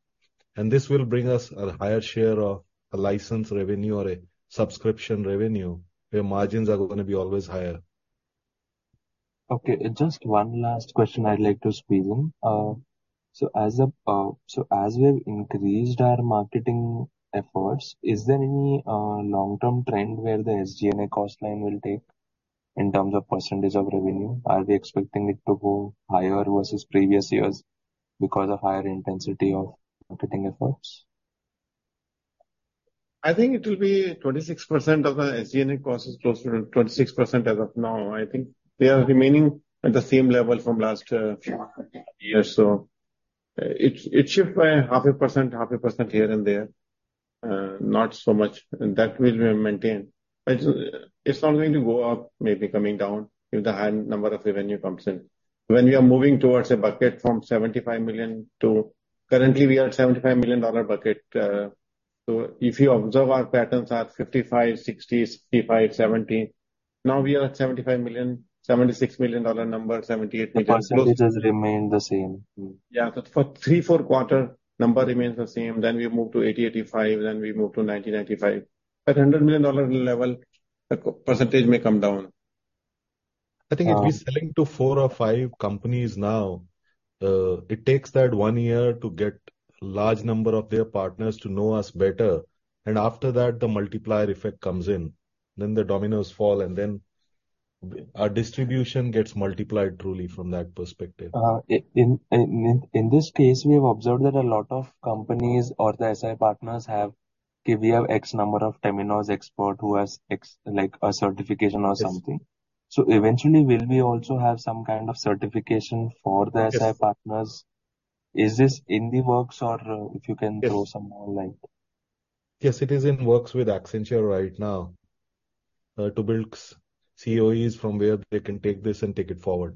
Speaker 4: And this will bring us a higher share of a license revenue or a subscription revenue, where margins are gonna be always higher.
Speaker 11: Okay, just one last question I'd like to squeeze in. So as we've increased our marketing efforts, is there any long-term trend where the SG&A cost line will take in terms of percentage of revenue? Are we expecting it to go higher versus previous years because of higher intensity of marketing efforts?
Speaker 2: I think it will be 26% of the SG&A cost is closer to 26% as of now. I think they are remaining at the same level from last few years. So it, it shift by half a percent, half a percent here and there, not so much, and that will be maintained. But it's, it's not going to go up, maybe coming down, if the high number of revenue comes in. When we are moving towards a bucket from $75 million to... currently, we are at $75 million dollar bucket. So if you observe our patterns at 55, 60, 65, 70, now we are at $75 million, $76 million dollar number, $78 million.
Speaker 11: The percentages remain the same.
Speaker 2: Yeah. But for three, four quarter, number remains the same, then we move to 80, 85, then we move to 90, 95. At $100 million level, the percentage may come down.
Speaker 4: I think if we're selling to four or five companies now, it takes that one year to get large number of their partners to know us better, and after that, the multiplier effect comes in, then the dominoes fall, and then our distribution gets multiplied truly from that perspective.
Speaker 11: In this case, we have observed that a lot of companies or the SI partners have, okay, we have X number of Temenos experts who have X, like a certification or something.
Speaker 4: Yes.
Speaker 11: Eventually, will we also have some kind of certification for the SI partners?
Speaker 4: Yes.
Speaker 11: Is this in the works or if you can-
Speaker 4: Yes.
Speaker 11: Throw some more light?
Speaker 4: Yes, it is in works with Accenture right now....
Speaker 2: to build COEs from where they can take this and take it forward.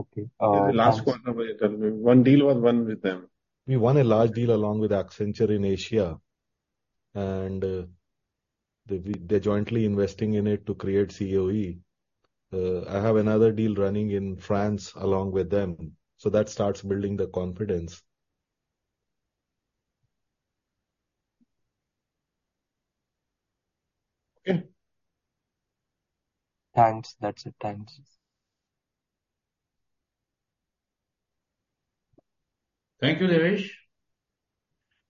Speaker 11: Okay, uh-
Speaker 2: In the last quarter, one deal was won with them. We won a large deal along with Accenture in Asia, and they're jointly investing in it to create COE. I have another deal running in France along with them, so that starts building the confidence. Okay.
Speaker 11: Thanks. That's it, thanks.
Speaker 1: Thank you, Divesh.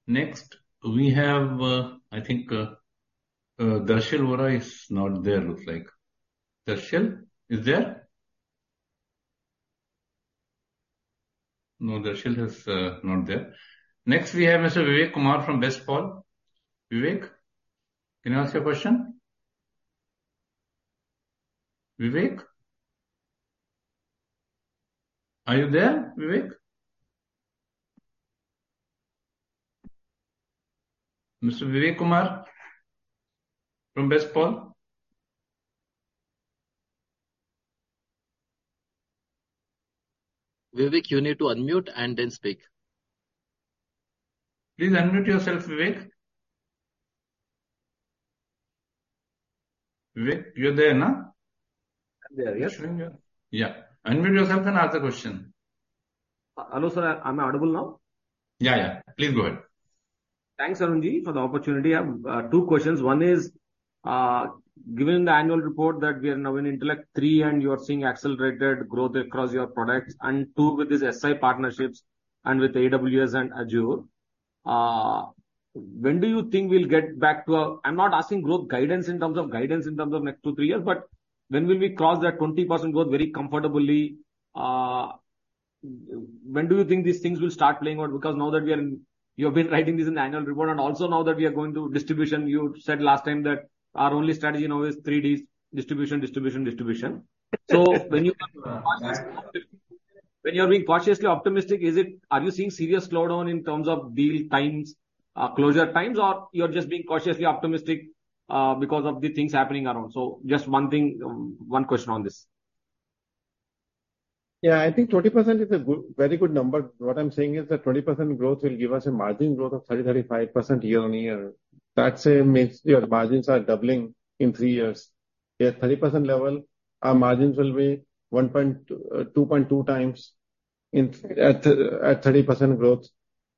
Speaker 1: Next, we have, I think, Darshan Vora is not there, looks like. Darshan, is there? No, Darshan is not there. Next, we have Mr. Vivek Kumar from Bestpals. Vivek, can I ask you a question? Vivek? Are you there, Vivek? Mr. Vivek Kumar from Bestpals. Vivek, you need to unmute and then speak. Please unmute yourself, Vivek. Vivek, you're there, no?
Speaker 12: I'm there, yes.
Speaker 1: Yeah. Unmute yourself and ask the question.
Speaker 12: Hello, sir. Am I audible now?
Speaker 1: Yeah, yeah. Please go ahead.
Speaker 12: Thanks, Arunji, for the opportunity. I have two questions. One is, given the annual report that we are now in Intellect three, and you are seeing accelerated growth across your products, and two, with these SI partnerships and with AWS and Azure, when do you think we'll get back to a-- I'm not asking growth guidance in terms of guidance in terms of next two, three years, but when will we cross that 20% growth very comfortably? When do you think these things will start playing out? Because now that we are in, you have been writing this in annual report, and also now that we are going to distribution, you said last time that our only strategy now is three Ds: distribution, distribution, distribution. So when you-
Speaker 2: Yeah.
Speaker 12: When you are being cautiously optimistic, is it, are you seeing serious slowdown in terms of deal times, closure times, or you are just being cautiously optimistic, because of the things happening around? So just one thing, one question on this.
Speaker 2: Yeah, I think 20% is a good, very good number. What I'm saying is that 20% growth will give us a margin growth of 30-35% year-on-year. That's a, means your margins are doubling in three years. At 30% level, our margins will be 1.2x, 2.2x in, at th- at 30% growth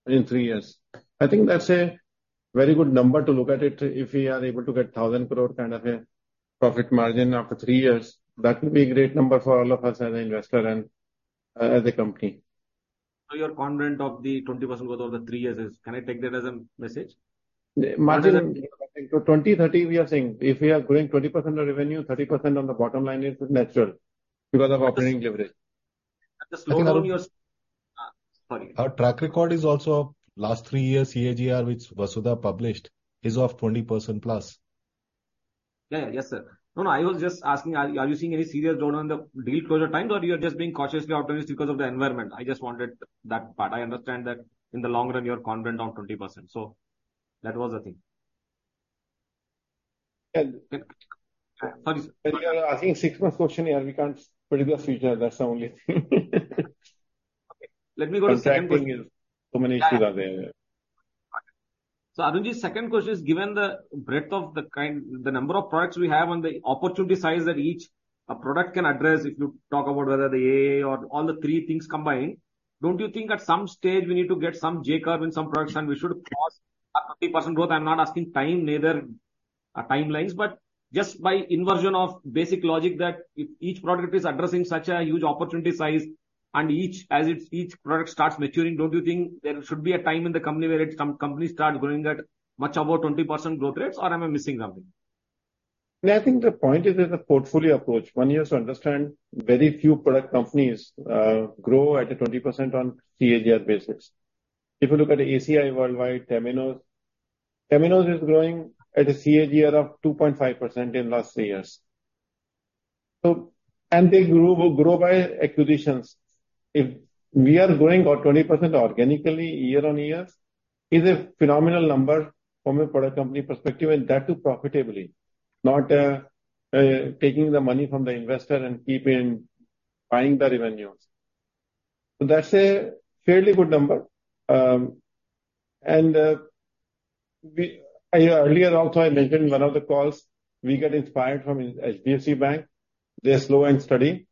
Speaker 2: in three years. I think that's a very good number to look at it. If we are able to get 1,000 crore kind of a profit margin after three years, that will be a great number for all of us as an investor and, as a company.
Speaker 12: So you're confident of the 20% growth over the three years, can I take that as a message?
Speaker 2: Margin, so 20/30, we are saying if we are growing 20% of revenue, 30% on the bottom line is natural because of operating leverage.
Speaker 12: And the slowdown you're... Sorry.
Speaker 2: Our track record is also last three years CAGR, which Vasudha published, is of 20%+.
Speaker 12: Yeah, yes, sir. No, no, I was just asking, are you seeing any serious slowdown on the deal closure times, or you are just being cautiously optimistic because of the environment? I just wanted that part. I understand that in the long run, you are confident on 20%, so that was the thing.
Speaker 2: Well-
Speaker 12: Sorry, sir.
Speaker 2: You are asking 6 months question, yeah, we can't predict the future. That's the only thing.
Speaker 12: Okay. Let me go to the second thing.
Speaker 2: So many things are there.
Speaker 12: So, Arunji, second question is, given the breadth of the kind, the number of products we have and the opportunity size that each product can address, if you talk about whether the AI or all the three things combined, don't you think at some stage we need to get some J curve in some products, and we should cross a 20% growth? I'm not asking time, neither, timelines, but just by inversion of basic logic, that if each product is addressing such a huge opportunity size and each, as it, each product starts maturing, don't you think there should be a time in the company where it, some companies start growing at much above 20% growth rates, or am I missing something?
Speaker 2: No, I think the point is, there's a portfolio approach. One has to understand, very few product companies grow at a 20% on CAGR basis. If you look at ACI Worldwide, Temenos. Temenos is growing at a CAGR of 2.5% in last three years. So, and they grew, grow by acquisitions. If we are growing about 20% organically year-on-year, is a phenomenal number from a product company perspective, and that too, profitably. Not taking the money from the investor and keeping, buying the revenues. So that's a fairly good number. And, earlier also, I mentioned in one of the calls, we get inspired from HSBC Bank. They're slow and steady.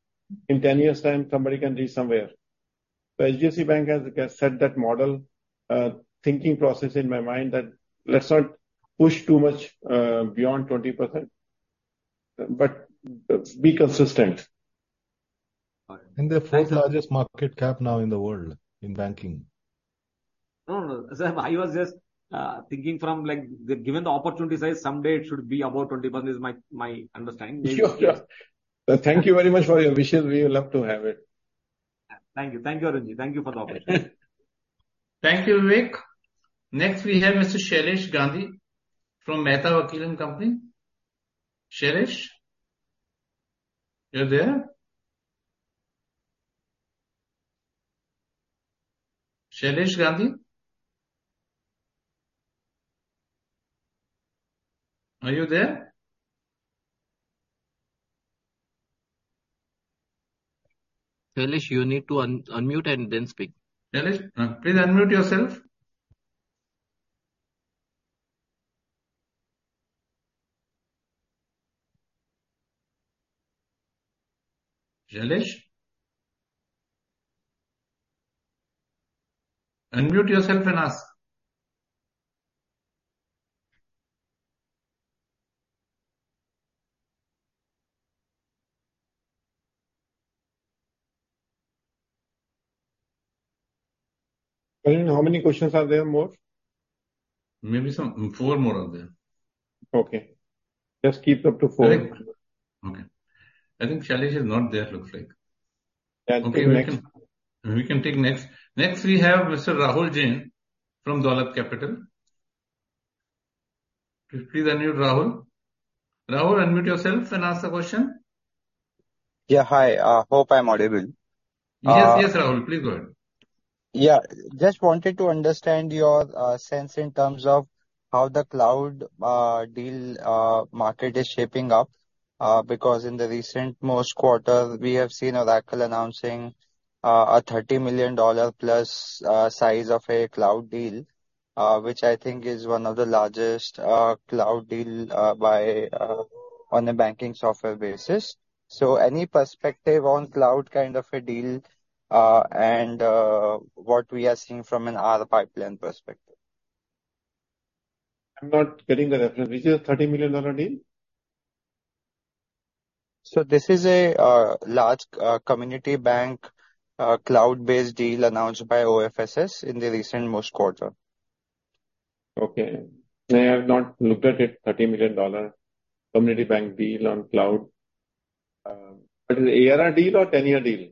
Speaker 2: In 10 years' time, somebody can reach somewhere. The HSBC bank has set that model, thinking process in my mind, that let's not push too much beyond 20%, but be consistent.
Speaker 12: All right.
Speaker 2: The fourth largest market cap now in the world, in banking.
Speaker 12: No, no, no. So I was just thinking from, like, given the opportunity size, someday it should be above 20%, is my, my understanding.
Speaker 2: Thank you very much for your wishes. We would love to have it.
Speaker 12: Thank you. Thank you, Arunji. Thank you for the opportunity.
Speaker 1: Thank you, Vivek. Next, we have Mr. Shailesh Gandhi from Mehta Vakil & Company. Shailesh, you're there?... Shailesh Gandhi? Are you there? Shailesh, you need to unmute and then speak. Shailesh, please unmute yourself. Shailesh? Unmute yourself and ask.
Speaker 2: How many questions are there more? Maybe some four more are there. Okay. Just keep up to four. Okay. I think Shailesh is not there, looks like. That's okay, next. We can take next. Next, we have Mr. Rahul Jain from Dolat Capital. Please unmute, Rahul. Rahul, unmute yourself and ask the question.
Speaker 13: Yeah, hi, hope I'm audible.
Speaker 2: Yes, yes, Rahul, please go ahead.
Speaker 13: Yeah. Just wanted to understand your sense in terms of how the cloud deal market is shaping up. Because in the recent most quarter, we have seen Oracle announcing a $30 million plus size of a cloud deal, which I think is one of the largest cloud deal by on a banking software basis. So any perspective on cloud kind of a deal, and what we are seeing from in our pipeline perspective?
Speaker 2: I'm not getting the reference. Which is a $30 million deal?
Speaker 13: This is a large community bank, cloud-based deal announced by OFSS in the recent most quarter.
Speaker 2: Okay. I have not looked at it, $30 million community bank deal on cloud. But is it ARR deal or 10-year deal?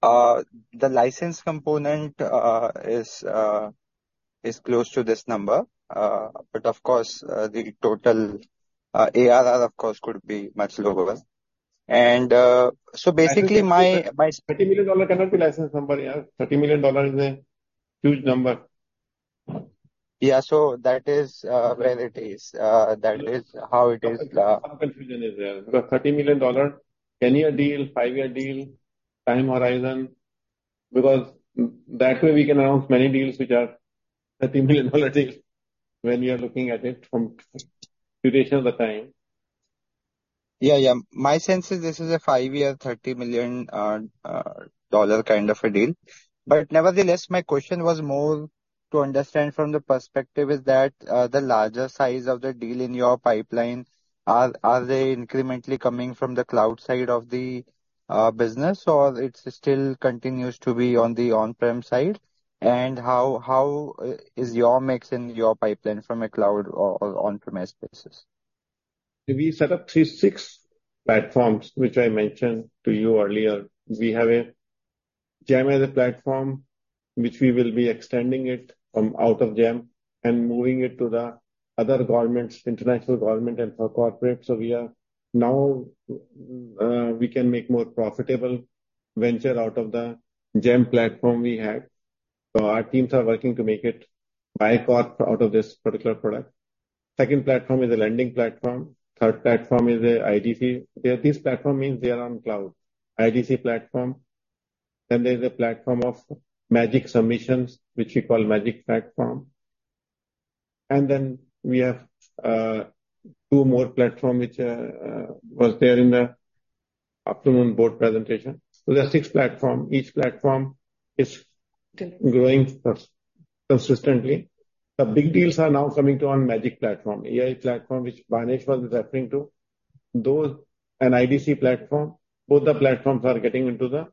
Speaker 13: The license component is close to this number. But of course, the total ARR, of course, could be much lower. And so basically my, my-
Speaker 2: $30 million cannot be license number, yeah. $30 million is a huge number.
Speaker 13: Yeah. So that is where it is. That is how it is-
Speaker 2: Some confusion is there. The $30 million, 10-year deal, 5-year deal, time horizon, because that way, we can announce many deals which are $30 million deals when you are looking at it from duration of the time.
Speaker 13: Yeah, yeah. My sense is this is a five-year, $30 million kind of a deal. But nevertheless, my question was more to understand from the perspective, is that, the larger size of the deal in your pipeline, are, are they incrementally coming from the cloud side of the, business, or it still continues to be on the on-prem side? And how, how, is your mix in your pipeline from a cloud or, or on-premise basis?
Speaker 2: We set up 3, 6 platforms, which I mentioned to you earlier. We have a GeM as a platform, which we will be extending it from out of GeM and moving it to the other governments, international government and for corporate. So we are now, we can make more profitable venture out of the GeM platform we have. So our teams are working to make it buy-corp out of this particular product. Second platform is a lending platform. Third platform is a IDC. Yeah, this platform means they are on cloud, IDC platform. Then there's a platform of eMACH submissions, which we call eMACH platform. And then we have, two more platform, which, was there in the afternoon board presentation. So there are six platform. Each platform is growing consistently. The big deals are now coming to on eMACH.ai platform, AI platform, which Banesh was referring to, those and IDC platform, both the platforms are getting into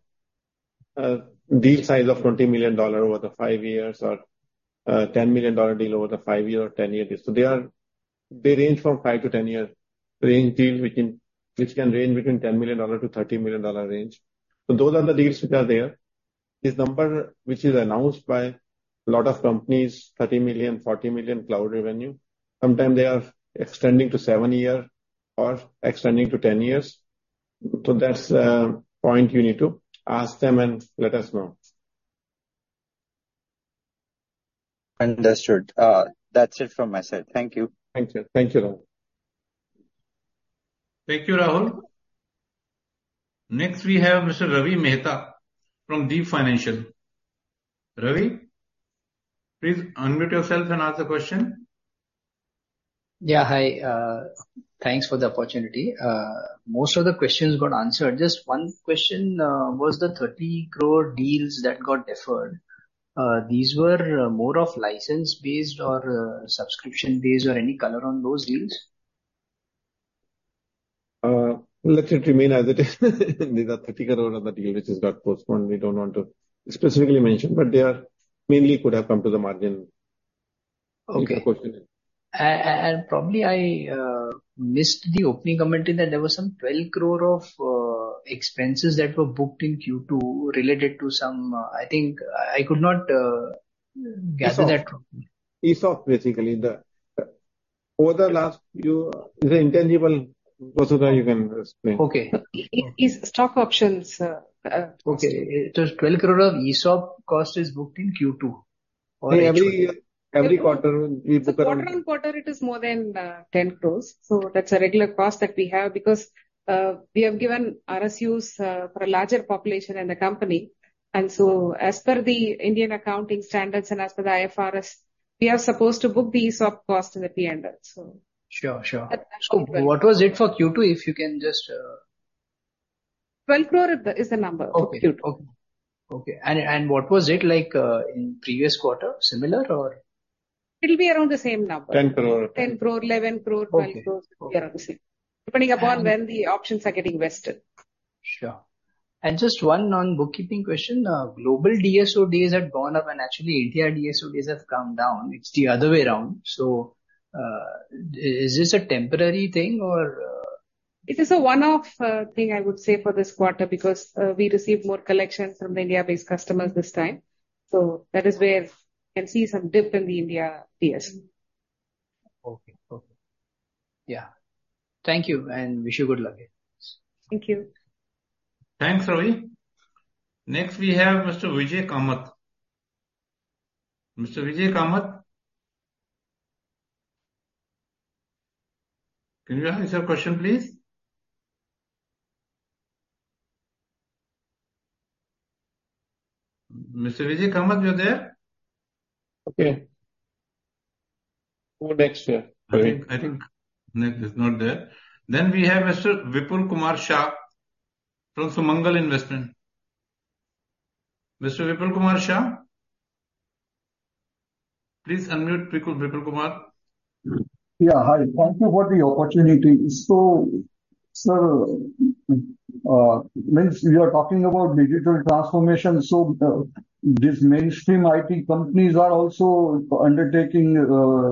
Speaker 2: the deal size of $20 million over the five years or ten million dollar deal over the five year or ten year. So they are they range from five to ten year range deals, which can, which can range between $10 million to $30 million dollar range. So those are the deals which are there. This number, which is announced by a lot of companies, $30 million, $40 million cloud revenue, sometimes they are extending to seven year or extending to ten years. So that's the point you need to ask them and let us know.
Speaker 13: Understood. That's it from my side. Thank you.
Speaker 2: Thank you. Thank you, Rahul. Thank you, Rahul. Next, we have Mr. Ravi Mehta from Deep Financial. Ravi, please unmute yourself and ask the question. Yeah, hi. Thanks for the opportunity. Most of the questions got answered. Just one question, was the 30 crore deals that got deferred these were more of license-based or subscription-based or any color on those deals?
Speaker 14: Let it remain as it is. These are 30 crore of the deal which has got postponed. We don't want to specifically mention, but they are mainly could have come to the margin. Okay.
Speaker 2: If you have question. And probably I missed the opening comment in that there was some 12 crore of expenses that were booked in Q2 related to some. I think I could not gather that from- ESOP. ESOP, basically, over the last, you, the intangible. Vasudha, you can explain. Okay.
Speaker 15: It, it's stock options. Okay. So 12 crore of ESOP cost is booked in Q2.
Speaker 2: Every year, every quarter, we book-
Speaker 15: Quarter-over-quarter, it is more than 10 crore. So that's a regular cost that we have because we have given RSUs for a larger population in the company. And so as per the Indian accounting standards and as per the IFRS, we are supposed to book the ESOP cost in the P&L, so. Sure, sure. That's correct. So what was it for Q2, if you can just? 12 crore is the number. Okay. Okay. Okay, and what was it like in previous quarter? Similar or...? It'll be around the same number.
Speaker 2: Ten crore.
Speaker 15: 10 crore, 11 crore- Okay. 12 crore, around the same. Depending upon when the options are getting vested. Sure. And just one non-bookkeeping question. Global DSOs had gone up, and actually, India DSOs have come down. It's the other way around. So, is this a temporary thing or It is a one-off thing, I would say, for this quarter, because we received more collections from the India-based customers this time. So that is where you can see some dip in the India DS. Okay. Okay. Yeah. Thank you, and wish you good luck. Thank you.
Speaker 2: Thanks, Ravi. Next, we have Mr. Vijay Kamath. Mr. Vijay Kamath? Can you ask your question, please? Mr. Vijay Kamath, you're there?
Speaker 5: Okay. Who next, sir? Sorry.
Speaker 2: I think next is not there. Then we have Mr. Vipul Kumar Shah from Sumangal Investments. Mr. Vipul Kumar Shah? Please unmute, Vipul Kumar.
Speaker 16: Yeah, hi. Thank you for the opportunity. So, sir, when you are talking about digital transformation, so, these mainstream IT companies are also undertaking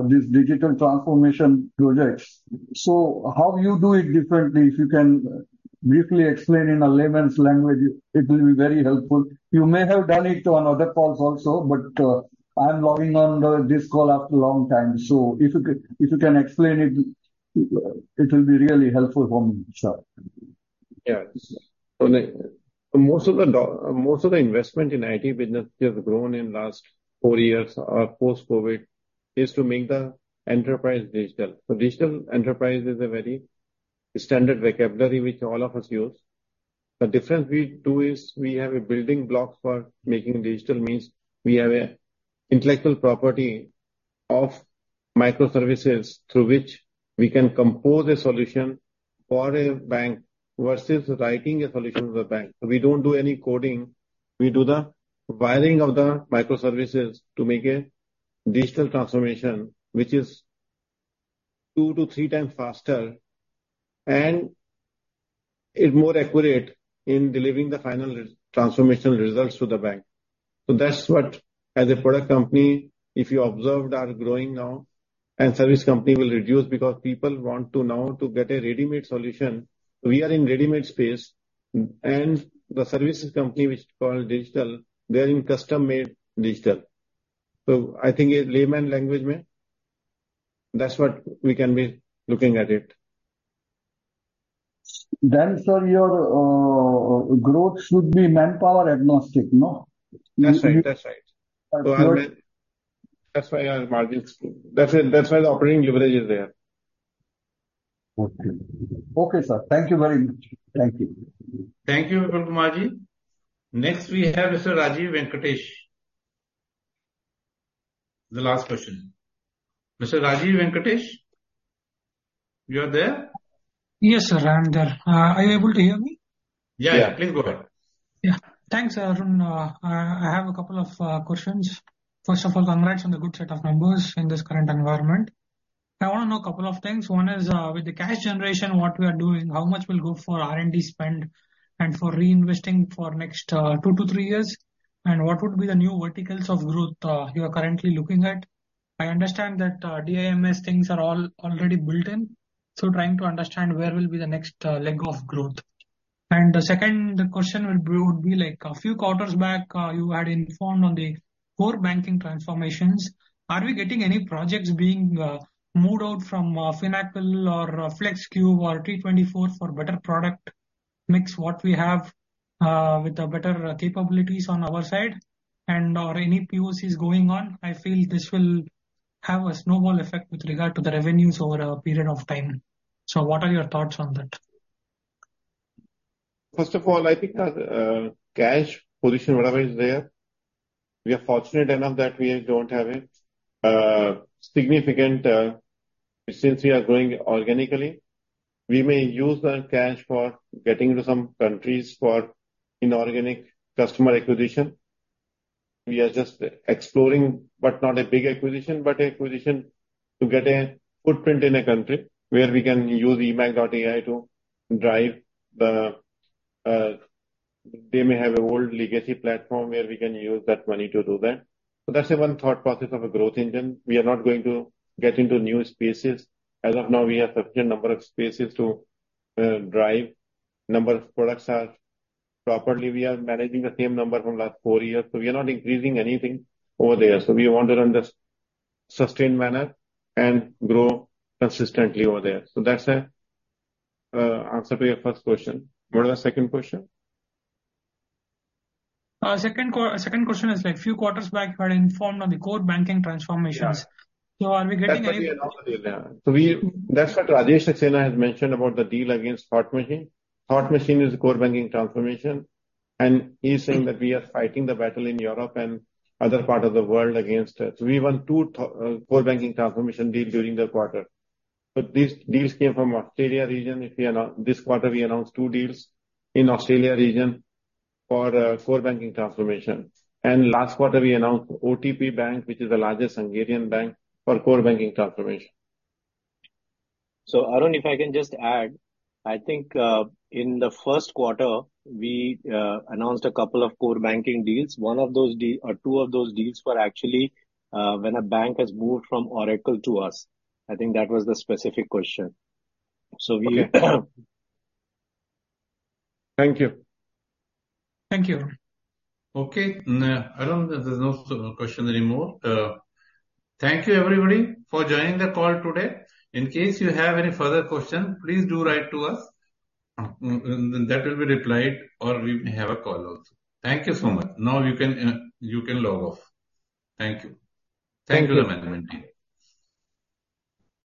Speaker 16: these digital transformation projects. So how you do it differently, if you can briefly explain in a layman's language, it will be very helpful. You may have done it on other calls also, but, I'm logging on this call after a long time. So if you could, if you can explain it, it will be really helpful for me, sir.
Speaker 2: Yeah. So most of the investment in IT business has grown in last four years or post-COVID, is to make the enterprise digital. So digital enterprise is a very standard vocabulary which all of us use. The difference we do is we have a building block for making digital, means we have a intellectual property of microservices through which we can compose a solution for a bank versus writing a solution for the bank. We don't do any coding. We do the wiring of the microservices to make a digital transformation, which is 2-3 times faster, and is more accurate in delivering the final transformation results to the bank. So that's what, as a product company, if you observed, are growing now, and service company will reduce because people want to now to get a ready-made solution. We are in ready-made space, and the services company, which is called digital, they are in custom-made digital. So I think in layman language, ma'am, that's what we can be looking at it.
Speaker 16: Sir, your growth should be manpower agnostic, no?
Speaker 2: That's right. That's right.
Speaker 16: But-
Speaker 2: That's why our margins, that's why, that's why the operating leverage is there.
Speaker 16: Okay. Okay, sir. Thank you very much. Thank you.
Speaker 2: Thank you, Vipul Kumarji.
Speaker 1: Next, we have Mr. Rajiv Venkatesh. The last question. Mr. Rajiv Venkatesh, you are there?
Speaker 17: Yes, sir, I'm there. Are you able to hear me?
Speaker 2: Yeah, yeah. Please go ahead.
Speaker 17: Yeah. Thanks, Arun. I have a couple of questions. First of all, congrats on the good set of numbers in this current environment. I want to know a couple of things. One is, with the cash generation, what we are doing, how much will go for R&D spend and for reinvesting for next two-three years? And what would be the new verticals of growth you are currently looking at? I understand that DIMS, things are all already built in, so trying to understand where will be the next leg of growth. And the second question will be, would be like, a few quarters back, you had informed on the core banking transformations. Are we getting any projects being moved out from Finacle or Flexcube or T24 for better product mix what we have with the better capabilities on our side and/or any POCs going on? I feel this will have a snowball effect with regard to the revenues over a period of time. So what are your thoughts on that?
Speaker 2: First of all, I think, cash position, whatever is there, we are fortunate enough that we don't have a significant. Since we are growing organically, we may use the cash for getting into some countries for inorganic customer acquisition. We are just exploring, but not a big acquisition, but acquisition to get a footprint in a country where we can use eMACH.ai to drive the, they may have a old legacy platform where we can use that money to do that. So that's the one thought process of a growth engine. We are not going to get into new spaces. As of now, we have sufficient number of spaces to drive. Number of products are properly, we are managing the same number from last four years, so we are not increasing anything over there. So we want to run this sustained manner and grow consistently over there. So that's the answer to your first question. What was the second question?
Speaker 17: Second question is, like, few quarters back, you had informed on the core banking transformations.
Speaker 2: Yeah.
Speaker 17: Are we getting any-
Speaker 2: That's what we announced earlier. So we, that's what Rajesh Saxena has mentioned about the deal against Thought Machine. Thought Machine is a core banking transformation, and he's saying that we are fighting the battle in Europe and other part of the world against it. We won two core banking transformation deal during the quarter. But these deals came from Australia region. This quarter, we announced two deals in Australia region for core banking transformation. And last quarter, we announced OTP Bank, which is the largest Hungarian bank, for core banking transformation. So, Arun, if I can just add, I think, in the first quarter, we announced a couple of core banking deals. One of those or two of those deals were actually, when a bank has moved from Oracle to us. I think that was the specific question. So we- Thank you.
Speaker 17: Thank you.
Speaker 2: Okay. Arun, there's no question anymore. Thank you, everybody, for joining the call today. In case you have any further question, please do write to us, and that will be replied, or we may have a call also. Thank you so much. Now you can, you can log off. Thank you. Thank you, everyone.